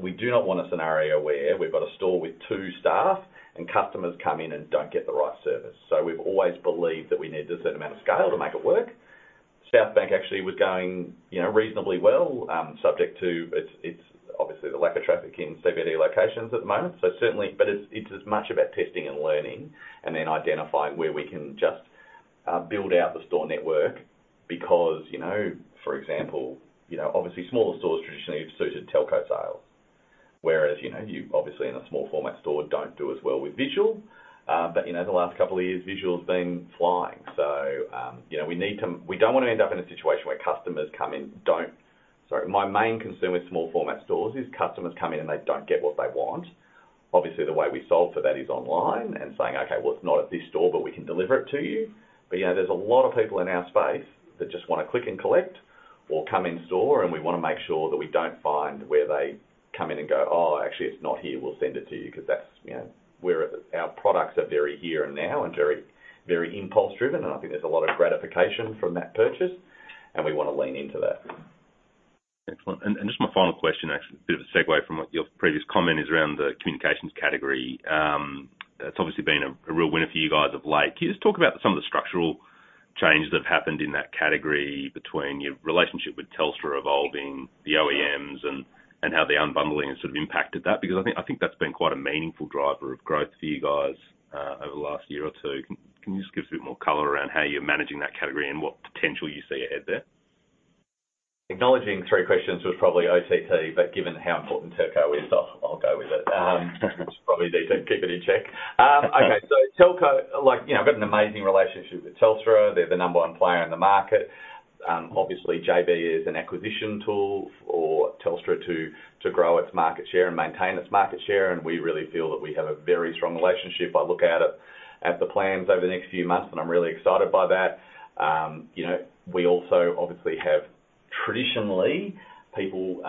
We do not want a scenario where we've got a store with two staff and customers come in and don't get the right service. We've always believed that we need a certain amount of scale to make it work. Southbank actually was going reasonably well, subject to, obviously the lack of traffic in CBD locations at the moment. Certainly, it's as much about testing and learning and then identifying where we can just build out the store network because, for example, obviously smaller stores traditionally have suited telco sales. You obviously in a small format store don't do as well with visual. The last couple of years, visual's been flying. We don't want to end up in a situation where customers come in. Sorry. My main concern with small format stores is customers come in, and they don't get what they want. Obviously, the way we solve for that is online and saying, "Okay, well, it's not at this store, but we can deliver it to you." There's a lot of people in our space that just want to click and collect or come in store, and we want to make sure that we don't find where they come in and go, "Oh, actually, it's not here. We'll send it to you." Our products are very here and now and very impulse-driven, and I think there's a lot of gratification from that purchase, and we want to lean into that. Excellent. Just my final question, actually, a bit of a segue from your previous comment, is around the communications category. It's obviously been a real winner for you guys of late. Can you just talk about some of the structural changes that have happened in that category between your relationship with Telstra evolving, the OEMs, and how the unbundling has sort of impacted that? I think that's been quite a meaningful driver of growth for you guys, over the last year or two. Can you just give us a bit more color around how you're managing that category and what potential you see ahead there? Acknowledging three questions was probably OTT, but given how important telco is, I'll go with it. I should probably need to keep it in check. Okay. Telco, I've got an amazing relationship with Telstra. They're the number one player in the market. Obviously, JB is an acquisition tool for Telstra to grow its market share and maintain its market share, and we really feel that we have a very strong relationship. I look at the plans over the next few months, and I'm really excited by that. We also obviously have traditionally, people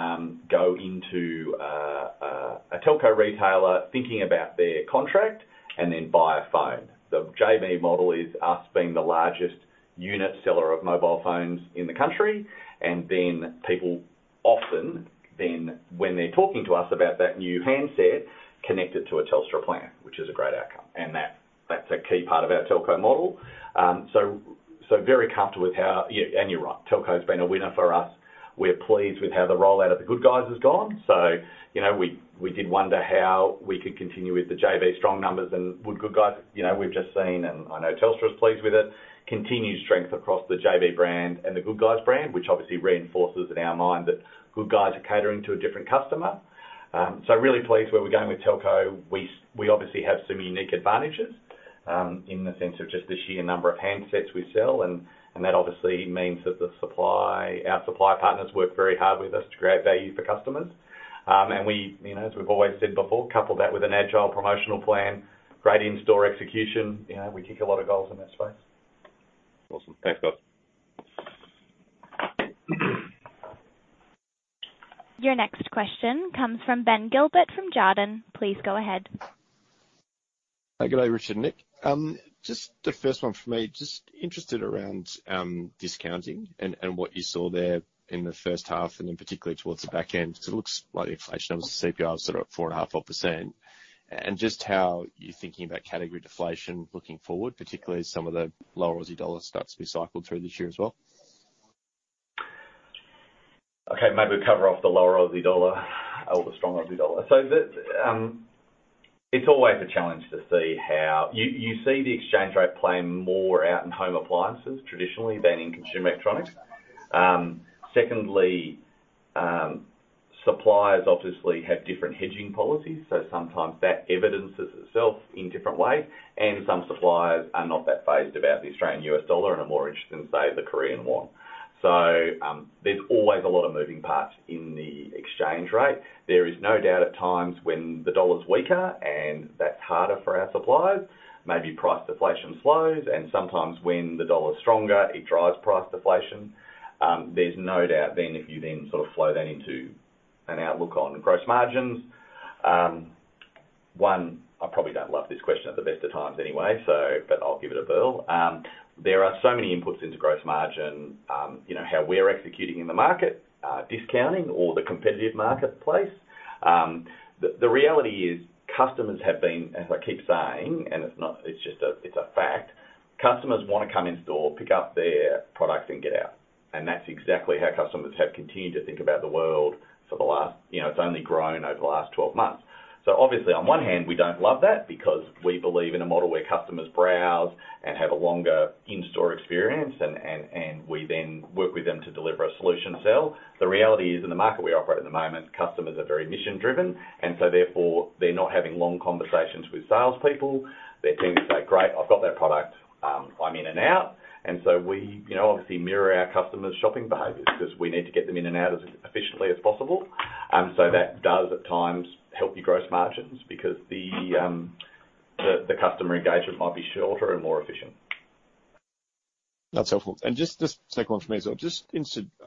go into a telco retailer thinking about their contract and then buy a phone. The JB model is us being the largest unit seller of mobile phones in the country, and then people often then, when they're talking to us about that new handset, connect it to a Telstra plan, which is a great outcome. That's a key part of our telco model. Very comfortable with. You're right, telco's been a winner for us. We're pleased with how the rollout of The Good Guys has gone. We did wonder how we could continue with the JB strong numbers and with Good Guys. We've just seen, and I know Telstra's pleased with it, continued strength across the JB brand and The Good Guys brand, which obviously reinforces in our mind that Good Guys are catering to a different customer. Really pleased where we're going with telco. We obviously have some unique advantages, in the sense of just the sheer number of handsets we sell, and that obviously means that our supply partners work very hard with us to create value for customers. As we've always said before, couple that with an agile promotional plan, great in-store execution, we kick a lot of goals in that space. Awesome. Thanks, Scott. Your next question comes from Ben Gilbert from Jarden. Please go ahead. Hi. Good day, Richard and Nick. Just the first one for me, just interested around discounting and what you saw there in the first half, and then particularly towards the back end, because it looks like inflation numbers, the CPI was sort of 4.5%. Just how you're thinking about category deflation looking forward, particularly as some of the lower AUD starts to be cycled through this year as well. Okay, maybe we will cover off the lower Australian dollar or the strong Australian dollar. It's always a challenge to see how you see the exchange rate playing more out in home appliances traditionally than in consumer electronics. Secondly, suppliers obviously have different hedging policies, so sometimes that evidences itself in different ways, and some suppliers are not that phased about the Australian U.S. dollar and are more interested in, say, the Korean won. There's always a lot of moving parts in the exchange rate. There is no doubt at times when the dollar's weaker and that's harder for our suppliers, maybe price deflation slows, and sometimes when the dollar's stronger, it drives price deflation. There's no doubt then if you then sort of flow that into an outlook on gross margins. I probably don't love this question at the best of times anyway, but I'll give it a whirl. There are so many inputs into gross margin, how we're executing in the market, discounting or the competitive marketplace. The reality is customers have been, as I keep saying, and it's a fact. Customers want to come in store, pick up their product, and get out. That's exactly how customers have continued to think about the world. It's only grown over the last 12 months. Obviously on one hand, we don't love that because we believe in a model where customers browse and have a longer in-store experience and we then work with them to deliver a solution sell. The reality is, in the market we operate at the moment, customers are very mission-driven, therefore, they're not having long conversations with salespeople. They're keen to say, "Great, I've got that product. I'm in and out." We obviously mirror our customers' shopping behaviors because we need to get them in and out as efficiently as possible. That does at times help your gross margins because the customer engagement might be shorter and more efficient. That's helpful. Just second one from me as well.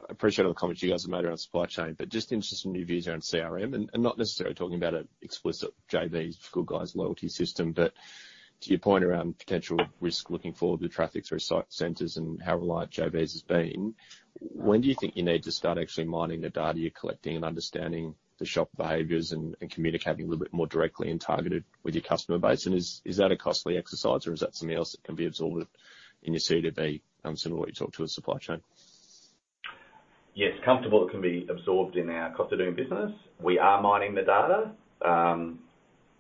I appreciate all the comments you guys have made around supply chain, but just interested some of your views around CRM and not necessarily talking about an explicit JB's Good Guys loyalty system, but to your point around potential risk looking forward with traffics through site centers and how reliant JB's has been, when do you think you need to start actually mining the data you're collecting and understanding the shop behaviors and communicating a little bit more directly and targeted with your customer base? Is that a costly exercise or is that something else that can be absorbed in your CODB, similar to what you talk to with supply chain? Yes, comfortable it can be absorbed in our cost of doing business. We are mining the data.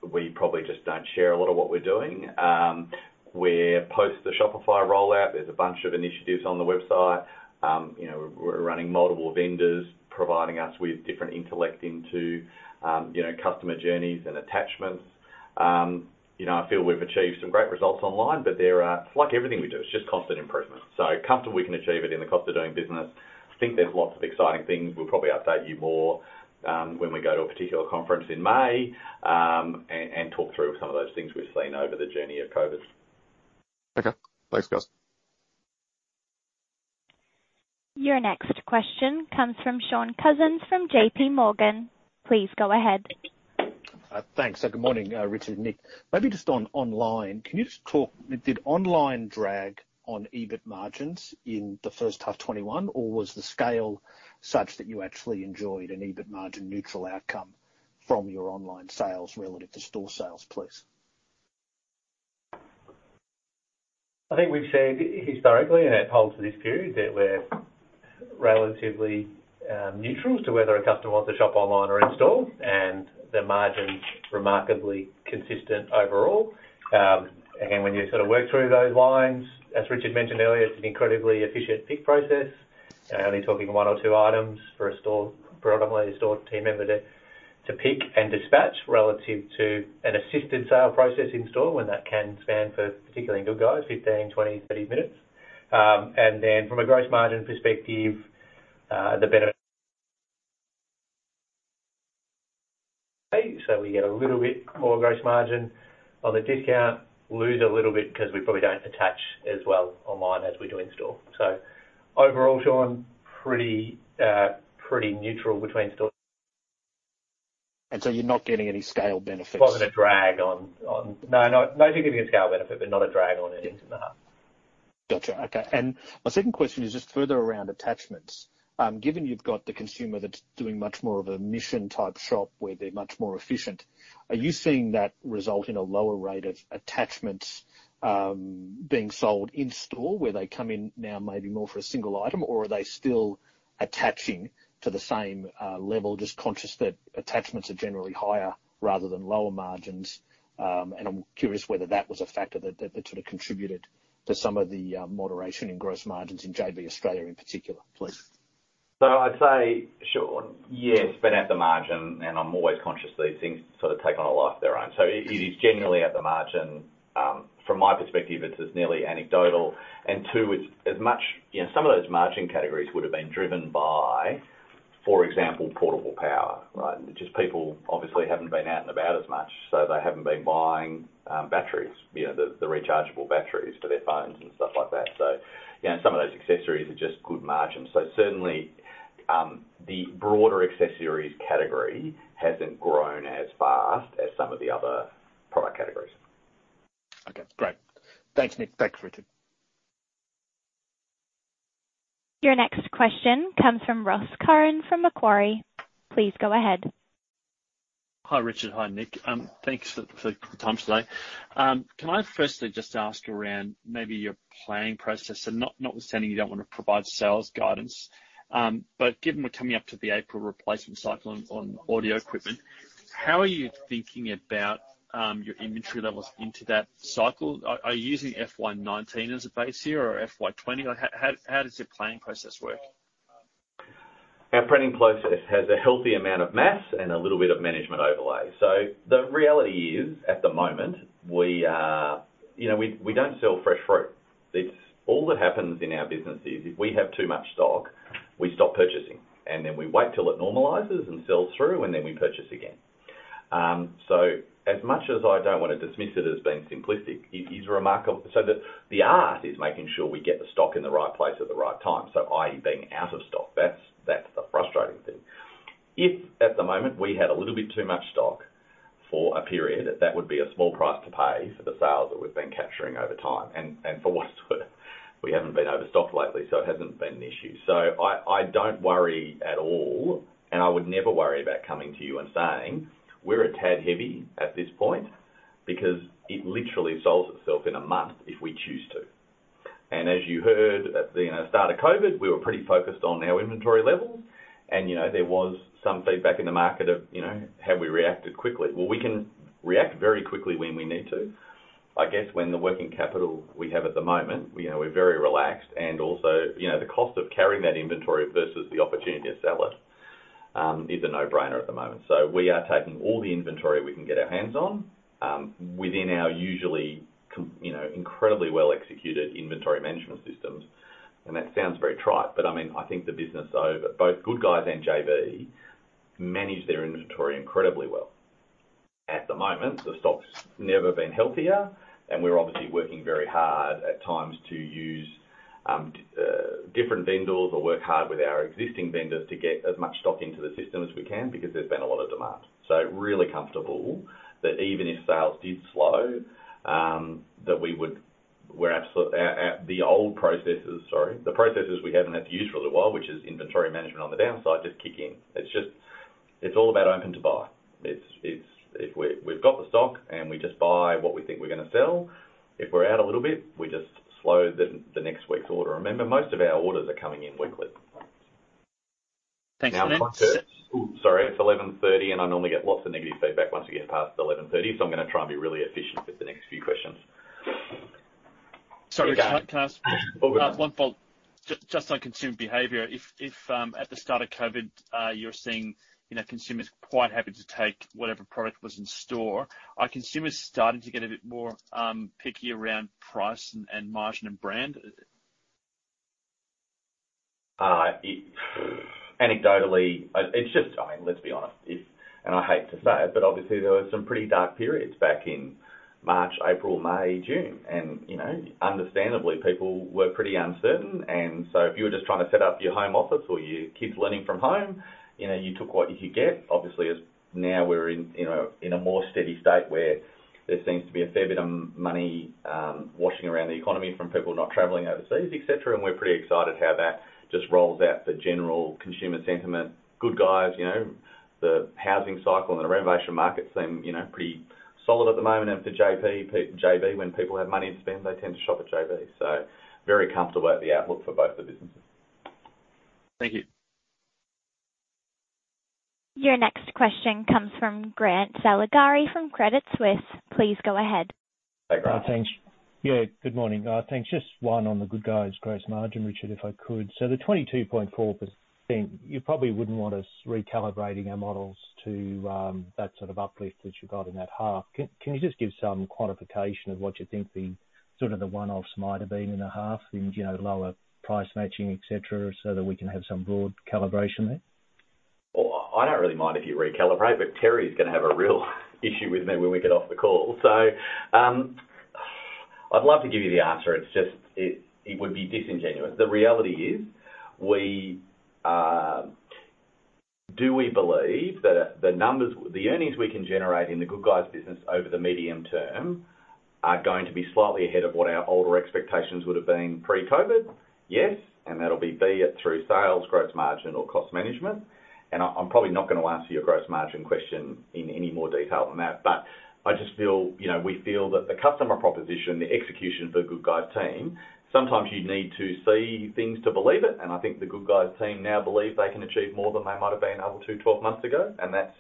We probably just don't share a lot of what we're doing. We're post the Shopify rollout. There's a bunch of initiatives on the website. We're running multiple vendors, providing us with different intellect into customer journeys and attachments. I feel we've achieved some great results online. It's like everything we do. It's just constant improvement. Comfortable we can achieve it in the cost of doing business. I think there's lots of exciting things. We'll probably update you more when we go to a particular conference in May, and talk through some of those things we've seen over the journey of COVID. Okay. Thanks, guys. Your next question comes from Shaun Cousins from JPMorgan. Please go ahead. Thanks. Good morning, Richard and Nick. Just on online, can you just talk, did online drag on EBIT margins in the first half 2021, or was the scale such that you actually enjoyed an EBIT margin neutral outcome from your online sales relative to store sales, please? I think we've said historically, and it holds for this period, that we're relatively neutral as to whether a customer wants to shop online or in store, and the margin's remarkably consistent overall. When you sort of work through those lines, as Richard mentioned earlier, it's an incredibly efficient pick process. Only talking one or two items for a store team member to pick and dispatch relative to an assisted sale process in store when that can span for, particularly in The Good Guys, 15, 20, 30 minutes. From a gross margin perspective, we get a little bit more gross margin on the discount, lose a little bit because we probably don't attach as well online as we do in store. Overall, Shaun, pretty neutral between store. You're not getting any scale benefits? No. No significant scale benefit, but not a drag on earnings in the half. Got you. Okay. My second question is just further around attachments. Given you've got the consumer that's doing much more of a mission-type shop where they're much more efficient, are you seeing that result in a lower rate of attachments being sold in store where they come in now maybe more for a single item, or are they still attaching to the same level? Just conscious that attachments are generally higher rather than lower margins. I'm curious whether that was a factor that sort of contributed to some of the moderation in gross margins in JB Australia in particular, please. I'd say, Shaun, yes, but at the margin, and I'm always conscious these things sort of take on a life of their own. It is generally at the margin. From my perspective, it's nearly anecdotal. Two, some of those margin categories would've been driven by, for example, portable power, right? Just people obviously haven't been out and about as much, so they haven't been buying batteries, the rechargeable batteries for their phones and stuff like that. Some of those accessories are just good margins. Certainly, the broader accessories category hasn't grown as fast as some of the other product categories. Okay, great. Thanks, Nick. Thanks, Richard. Your next question comes from Ross Curran from Macquarie. Please go ahead. Hi, Richard. Hi, Nick. Thanks for the time today. Can I firstly just ask around maybe your planning process? Notwithstanding you don't want to provide sales guidance, but given we're coming up to the April replacement cycle on audio equipment, how are you thinking about your inventory levels into that cycle? Are you using FY 2019 as a base here or FY 2020? How does your planning process work? Our planning process has a healthy amount of math and a little bit of management overlay. The reality is, at the moment, we don't sell fresh fruit. All that happens in our business is if we have too much stock, we stop purchasing, and then we wait till it normalizes and sells through, and then we purchase again. As much as I don't want to dismiss it as being simplistic, the art is making sure we get the stock in the right place at the right time. I.e., being out of stock. That's the frustrating thing. If at the moment we had a little bit too much stock for a period, that would be a small price to pay for the sales that we've been capturing over time. We haven't been overstocked lately, so it hasn't been an issue. I don't worry at all, and I would never worry about coming to you and saying, "We're a tad heavy at this point," because it literally solves itself in a month if we choose to. As you heard at the start of COVID, we were pretty focused on our inventory levels. There was some feedback in the market of have we reacted quickly? We can react very quickly when we need to. When the working capital we have at the moment, we're very relaxed and also the cost of carrying that inventory versus the opportunity to sell it, is a no-brainer at the moment. We are taking all the inventory we can get our hands on, within our usually incredibly well-executed inventory management systems. That sounds very trite, but I think the business over both The Good Guys and JB manage their inventory incredibly well. At the moment, the stock's never been healthier, and we're obviously working very hard at times to use different vendors or work hard with our existing vendors to get as much stock into the system as we can because there's been a lot of demand. Really comfortable that even if sales did slow, the processes we haven't had to use for a little while, which is inventory management on the downside, just kick in. It's all about open-to-buy. If we've got the stock and we just buy what we think we're going to sell, if we're out a little bit, we just slow the next week's order. Remember, most of our orders are coming in weekly. Thanks for that. Sorry, it's 11:30. I normally get lots of negative feedback once we get past 11:30. I'm going to try and be really efficient with the next few questions. Sorry, Rich. Can I ask one follow-up? Go for it. Just on consumer behavior, if at the start of COVID, you are seeing consumers quite happy to take whatever product was in store. Are consumers starting to get a bit more picky around price and margin and brand? Anecdotally, let's be honest, I hate to say it, obviously there were some pretty dark periods back in March, April, May, June, and understandably, people were pretty uncertain. If you were just trying to set up your home office or your kids learning from home, you took what you could get. Obviously, now we're in a more steady state where there seems to be a fair bit of money washing around the economy from people not traveling overseas, et cetera, we're pretty excited how that just rolls out for general consumer sentiment. The Good Guys, the housing cycle and the renovation market seem pretty solid at the moment. For JB, when people have money to spend, they tend to shop at JB. Very comfortable at the outlook for both the businesses. Thank you. Your next question comes from Grant Saligari from Credit Suisse. Please go ahead. Hey, Grant. Thanks. Yeah, good morning. Thanks. Just one on The Good Guys' gross margin, Richard, if I could. The 22.4%, you probably wouldn't want us recalibrating our models to that sort of uplift that you got in that half. Can you just give some quantification of what you think the one-offs might have been in a half, lower price matching, et cetera, so that we can have some broad calibration there? Well, I don't really mind if you recalibrate, but Terry's going to have a real issue with me when we get off the call. I'd love to give you the answer. It's just it would be disingenuous. The reality is, do we believe that the earnings we can generate in The Good Guys business over the medium term are going to be slightly ahead of what our older expectations would've been pre-COVID? Yes. That'll be it through sales, gross margin, or cost management. I'm probably not going to answer your gross margin question in any more detail than that. We feel that the customer proposition, the execution of The Good Guys team, sometimes you need to see things to believe it, and I think The Good Guys team now believe they can achieve more than they might've been able to 12 months ago, and that's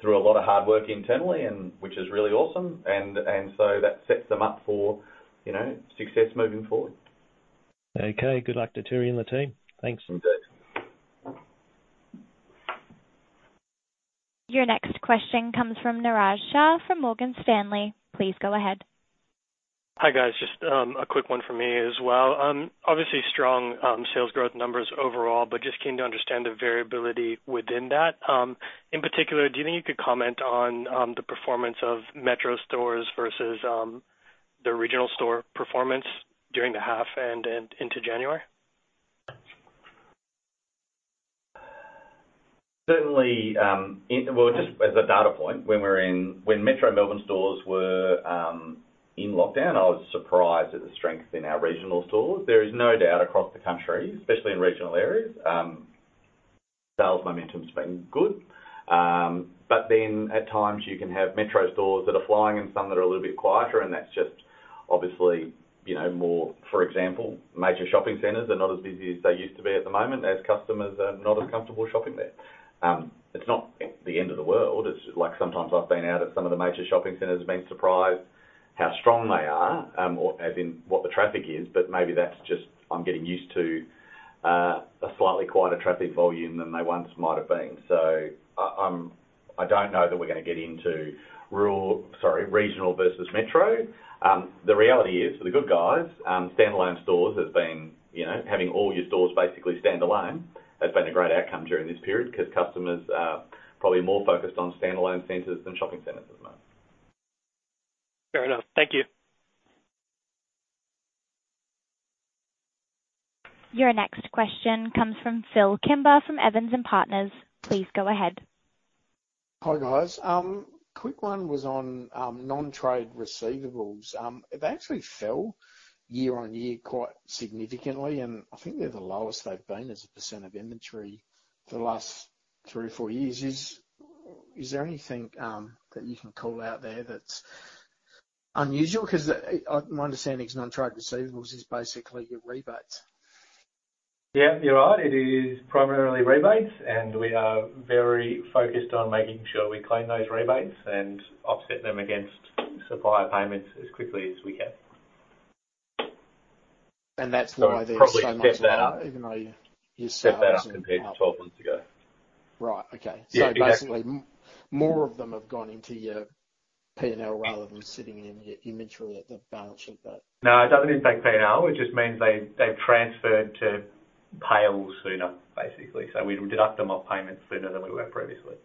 through a lot of hard work internally, which is really awesome. That sets them up for success moving forward. Okay. Good luck to Terry and the team. Thanks. You bet. Your next question comes from Niraj Shah from Morgan Stanley. Please go ahead. Hi, guys. Just a quick one for me as well. Obviously, strong sales growth numbers overall, but just keen to understand the variability within that. In particular, do you think you could comment on the performance of metro stores versus the regional store performance during the half and into January? Certainly. Well, just as a data point, when metro Melbourne stores were in lockdown, I was surprised at the strength in our regional stores. There is no doubt across the country, especially in regional areas, sales momentum's been good. At times you can have metro stores that are flying and some that are a little bit quieter, and that's just obviously more, for example, major shopping centers are not as busy as they used to be at the moment as customers are not as comfortable shopping there. It's not the end of the world. It's like sometimes I've been out at some of the major shopping centers and been surprised how strong they are, as in what the traffic is, but maybe that's just I'm getting used to a slightly quieter traffic volume than they once might've been. I don't know that we're going to get into regional versus metro. The reality is for The Good Guys, standalone stores has been having all your stores basically standalone has been a great outcome during this period because customers are probably more focused on standalone centers than shopping centers at the moment. Fair enough. Thank you. Your next question comes from Phillip Kimber from Evans and Partners. Please go ahead. Hi, guys. Quick one was on non-trade receivables. They actually fell year-on-year quite significantly, and I think they're the lowest they've been as a % of inventory for the last three or four years. Is there anything that you can call out there that's unusual? My understanding is non-trade receivables is basically your rebates. Yeah, you're right. It is primarily rebates. We are very focused on making sure we claim those rebates and offset them against supplier payments as quickly as we can. And that's why there's so much- Probably better compared to 12 months ago. Right. Okay. Yeah, exactly. Basically, more of them have gone into your P&L rather than sitting in your inventory at the balance sheet. No, it doesn't impact P&L. It just means they've transferred to payables sooner, basically. We deduct them off payments sooner than we were previously.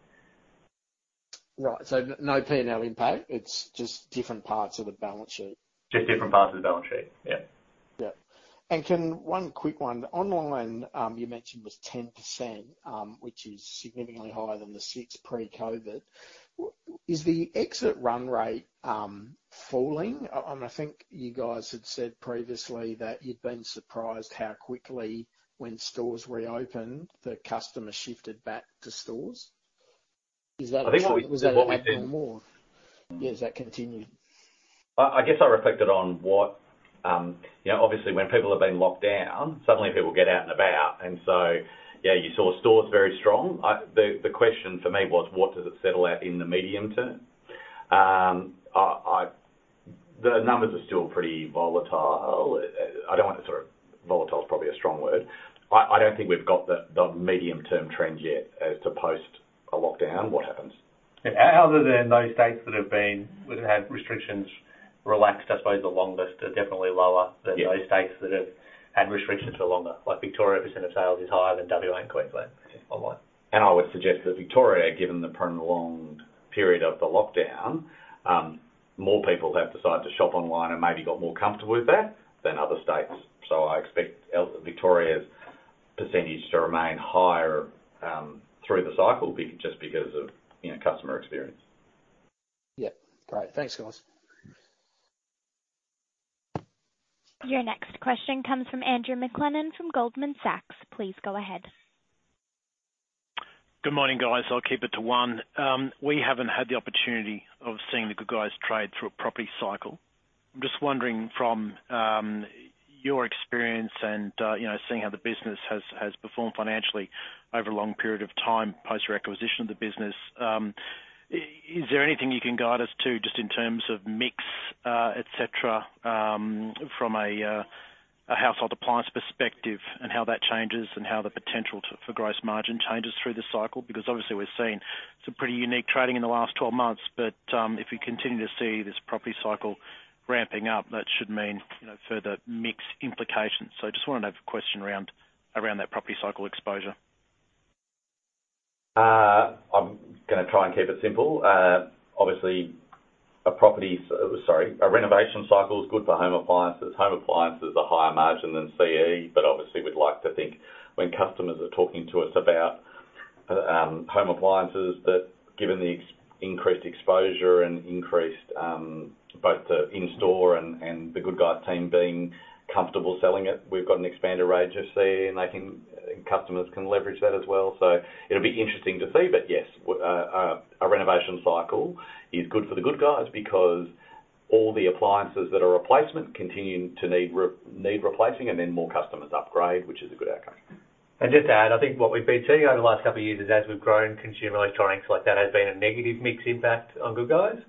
Right. No P&L impact. It’s just different parts of the balance sheet. Just different parts of the balance sheet. Yeah. Yeah. One quick one. Online, you mentioned, was 10%, which is significantly higher than the six pre-COVID. Is the exit run rate falling? I think you guys had said previously that you'd been surprised how quickly when stores reopened, the customer shifted back to stores. I think we- Was that happening more? Has that continued? I guess I reflected on, obviously, when people have been locked down, suddenly people get out and about, yeah, you saw stores very strong. The question for me was, what does it settle at in the medium-term? The numbers are still pretty volatile. Volatile is probably a strong word. I don't think we've got the medium-term trend yet as to post a lockdown, what happens. Other than those states that have had restrictions relaxed, I suppose, the longest are definitely lower than those states that have had restrictions for longer, like Victoria percent of sales is higher than WA and Queensland online. I would suggest that Victoria, given the prolonged period of the lockdown, more people have decided to shop online and maybe got more comfortable with that than other states. I expect Victoria's percentage to remain higher through the cycle just because of customer experience. Yeah. Great. Thanks, guys. Your next question comes from Andrew McLennan from Goldman Sachs. Please go ahead. Good morning, guys. I'll keep it to one. We haven't had the opportunity of seeing The Good Guys trade through a property cycle. I'm just wondering from your experience and seeing how the business has performed financially over a long period of time post your acquisition of the business, is there anything you can guide us to just in terms of mix, et cetera, from a household appliance perspective and how that changes and how the potential for gross margin changes through the cycle? Obviously we're seeing some pretty unique trading in the last 12 months, but if we continue to see this property cycle ramping up, that should mean further mix implications. I just wanted to have a question around that property cycle exposure. I'm going to try and keep it simple. Obviously, a renovation cycle is good for home appliances. Home appliances are higher margin than CE, but obviously we'd like to think when customers are talking to us about home appliances, that given the increased exposure and increased both the in-store and The Good Guys team being comfortable selling it, we've got an expanded range of CE, and I think customers can leverage that as well. It'll be interesting to see. Yes, a renovation cycle is good for The Good Guys because all the appliances that are replacement continue to need replacing and then more customers upgrade, which is a good outcome. Just to add, I think what we've been seeing over the last couple of years is as we've grown consumer electronics, like that has been a negative mix impact on Good Guys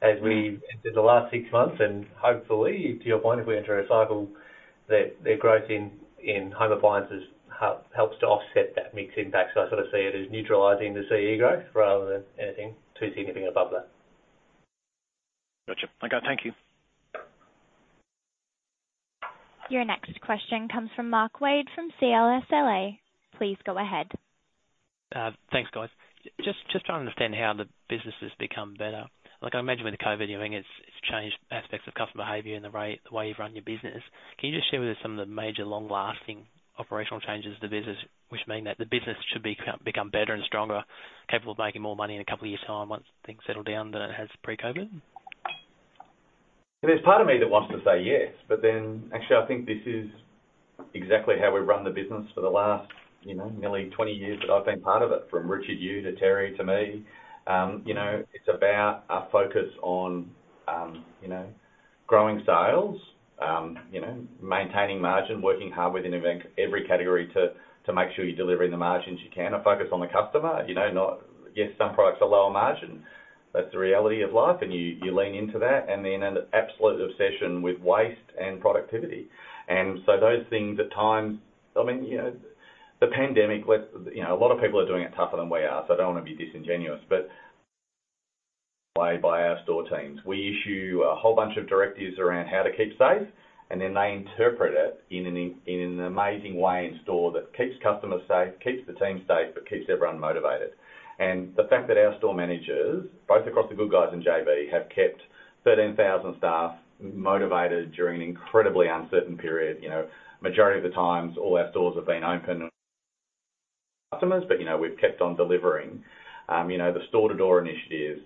as we've entered the last six months. Hopefully, to your point, if we enter a cycle, their growth in home appliances helps to offset that mix impact. I sort of see it as neutralizing the CE growth rather than anything too significant above that. Got you. Okay, thank you. Your next question comes from Mark Wade from CLSA. Please go ahead. Thanks, guys. Just trying to understand how the business has become better. I imagine with the COVID thing, it's changed aspects of customer behavior and the way you run your business. Can you just share with us some of the major long-lasting operational changes to the business, which mean that the business should become better and stronger, capable of making more money in a couple of years' time once things settle down than it has pre-COVID? There's part of me that wants to say yes. Actually, I think this is exactly how we've run the business for the last nearly 20 years that I've been part of it, from Richard to Terry to me. It's about our focus on growing sales, maintaining margin, working hard within every category to make sure you're delivering the margins you can, a focus on the customer. Yes, some products are lower margin. That's the reality of life, and you lean into that. An absolute obsession with waste and productivity. Those things, the pandemic, a lot of people are doing it tougher than we are, so I don't want to be disingenuous. By our store teams. We issue a whole bunch of directives around how to keep safe, and then they interpret it in an amazing way in store that keeps customers safe, keeps the team safe, but keeps everyone motivated. The fact that our store managers, both across The Good Guys and JB, have kept 13,000 staff motivated during an incredibly uncertain period. Majority of the times all our stores have been open. Customers, but we've kept on delivering. The store-to-door initiatives,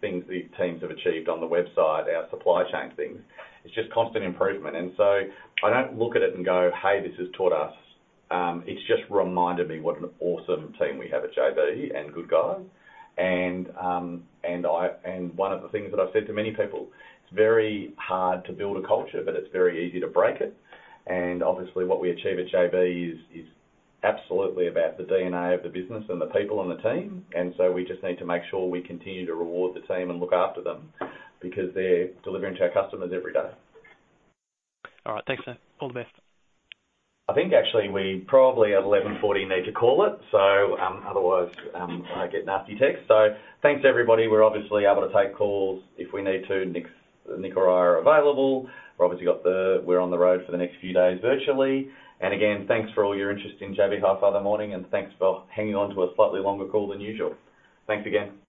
things the teams have achieved on the website, our supply chain things, it's just constant improvement. I don't look at it and go, "Hey, this has taught us." It's just reminded me what an awesome team we have at JB and The Good Guys. One of the things that I've said to many people, it's very hard to build a culture, but it's very easy to break it. Obviously, what we achieve at JB is absolutely about the DNA of the business and the people on the team, and so we just need to make sure we continue to reward the team and look after them because they're delivering to our customers every day. All right. Thanks, sir. All the best. I think actually we probably at 11:40 A.M. need to call it, so otherwise I get nasty texts. Thanks, everybody. We're obviously able to take calls if we need to. Nick or I are available. We're on the road for the next few days virtually. Again, thanks for all your interest in JB Hi-Fi this morning, and thanks for hanging on to a slightly longer call than usual. Thanks again.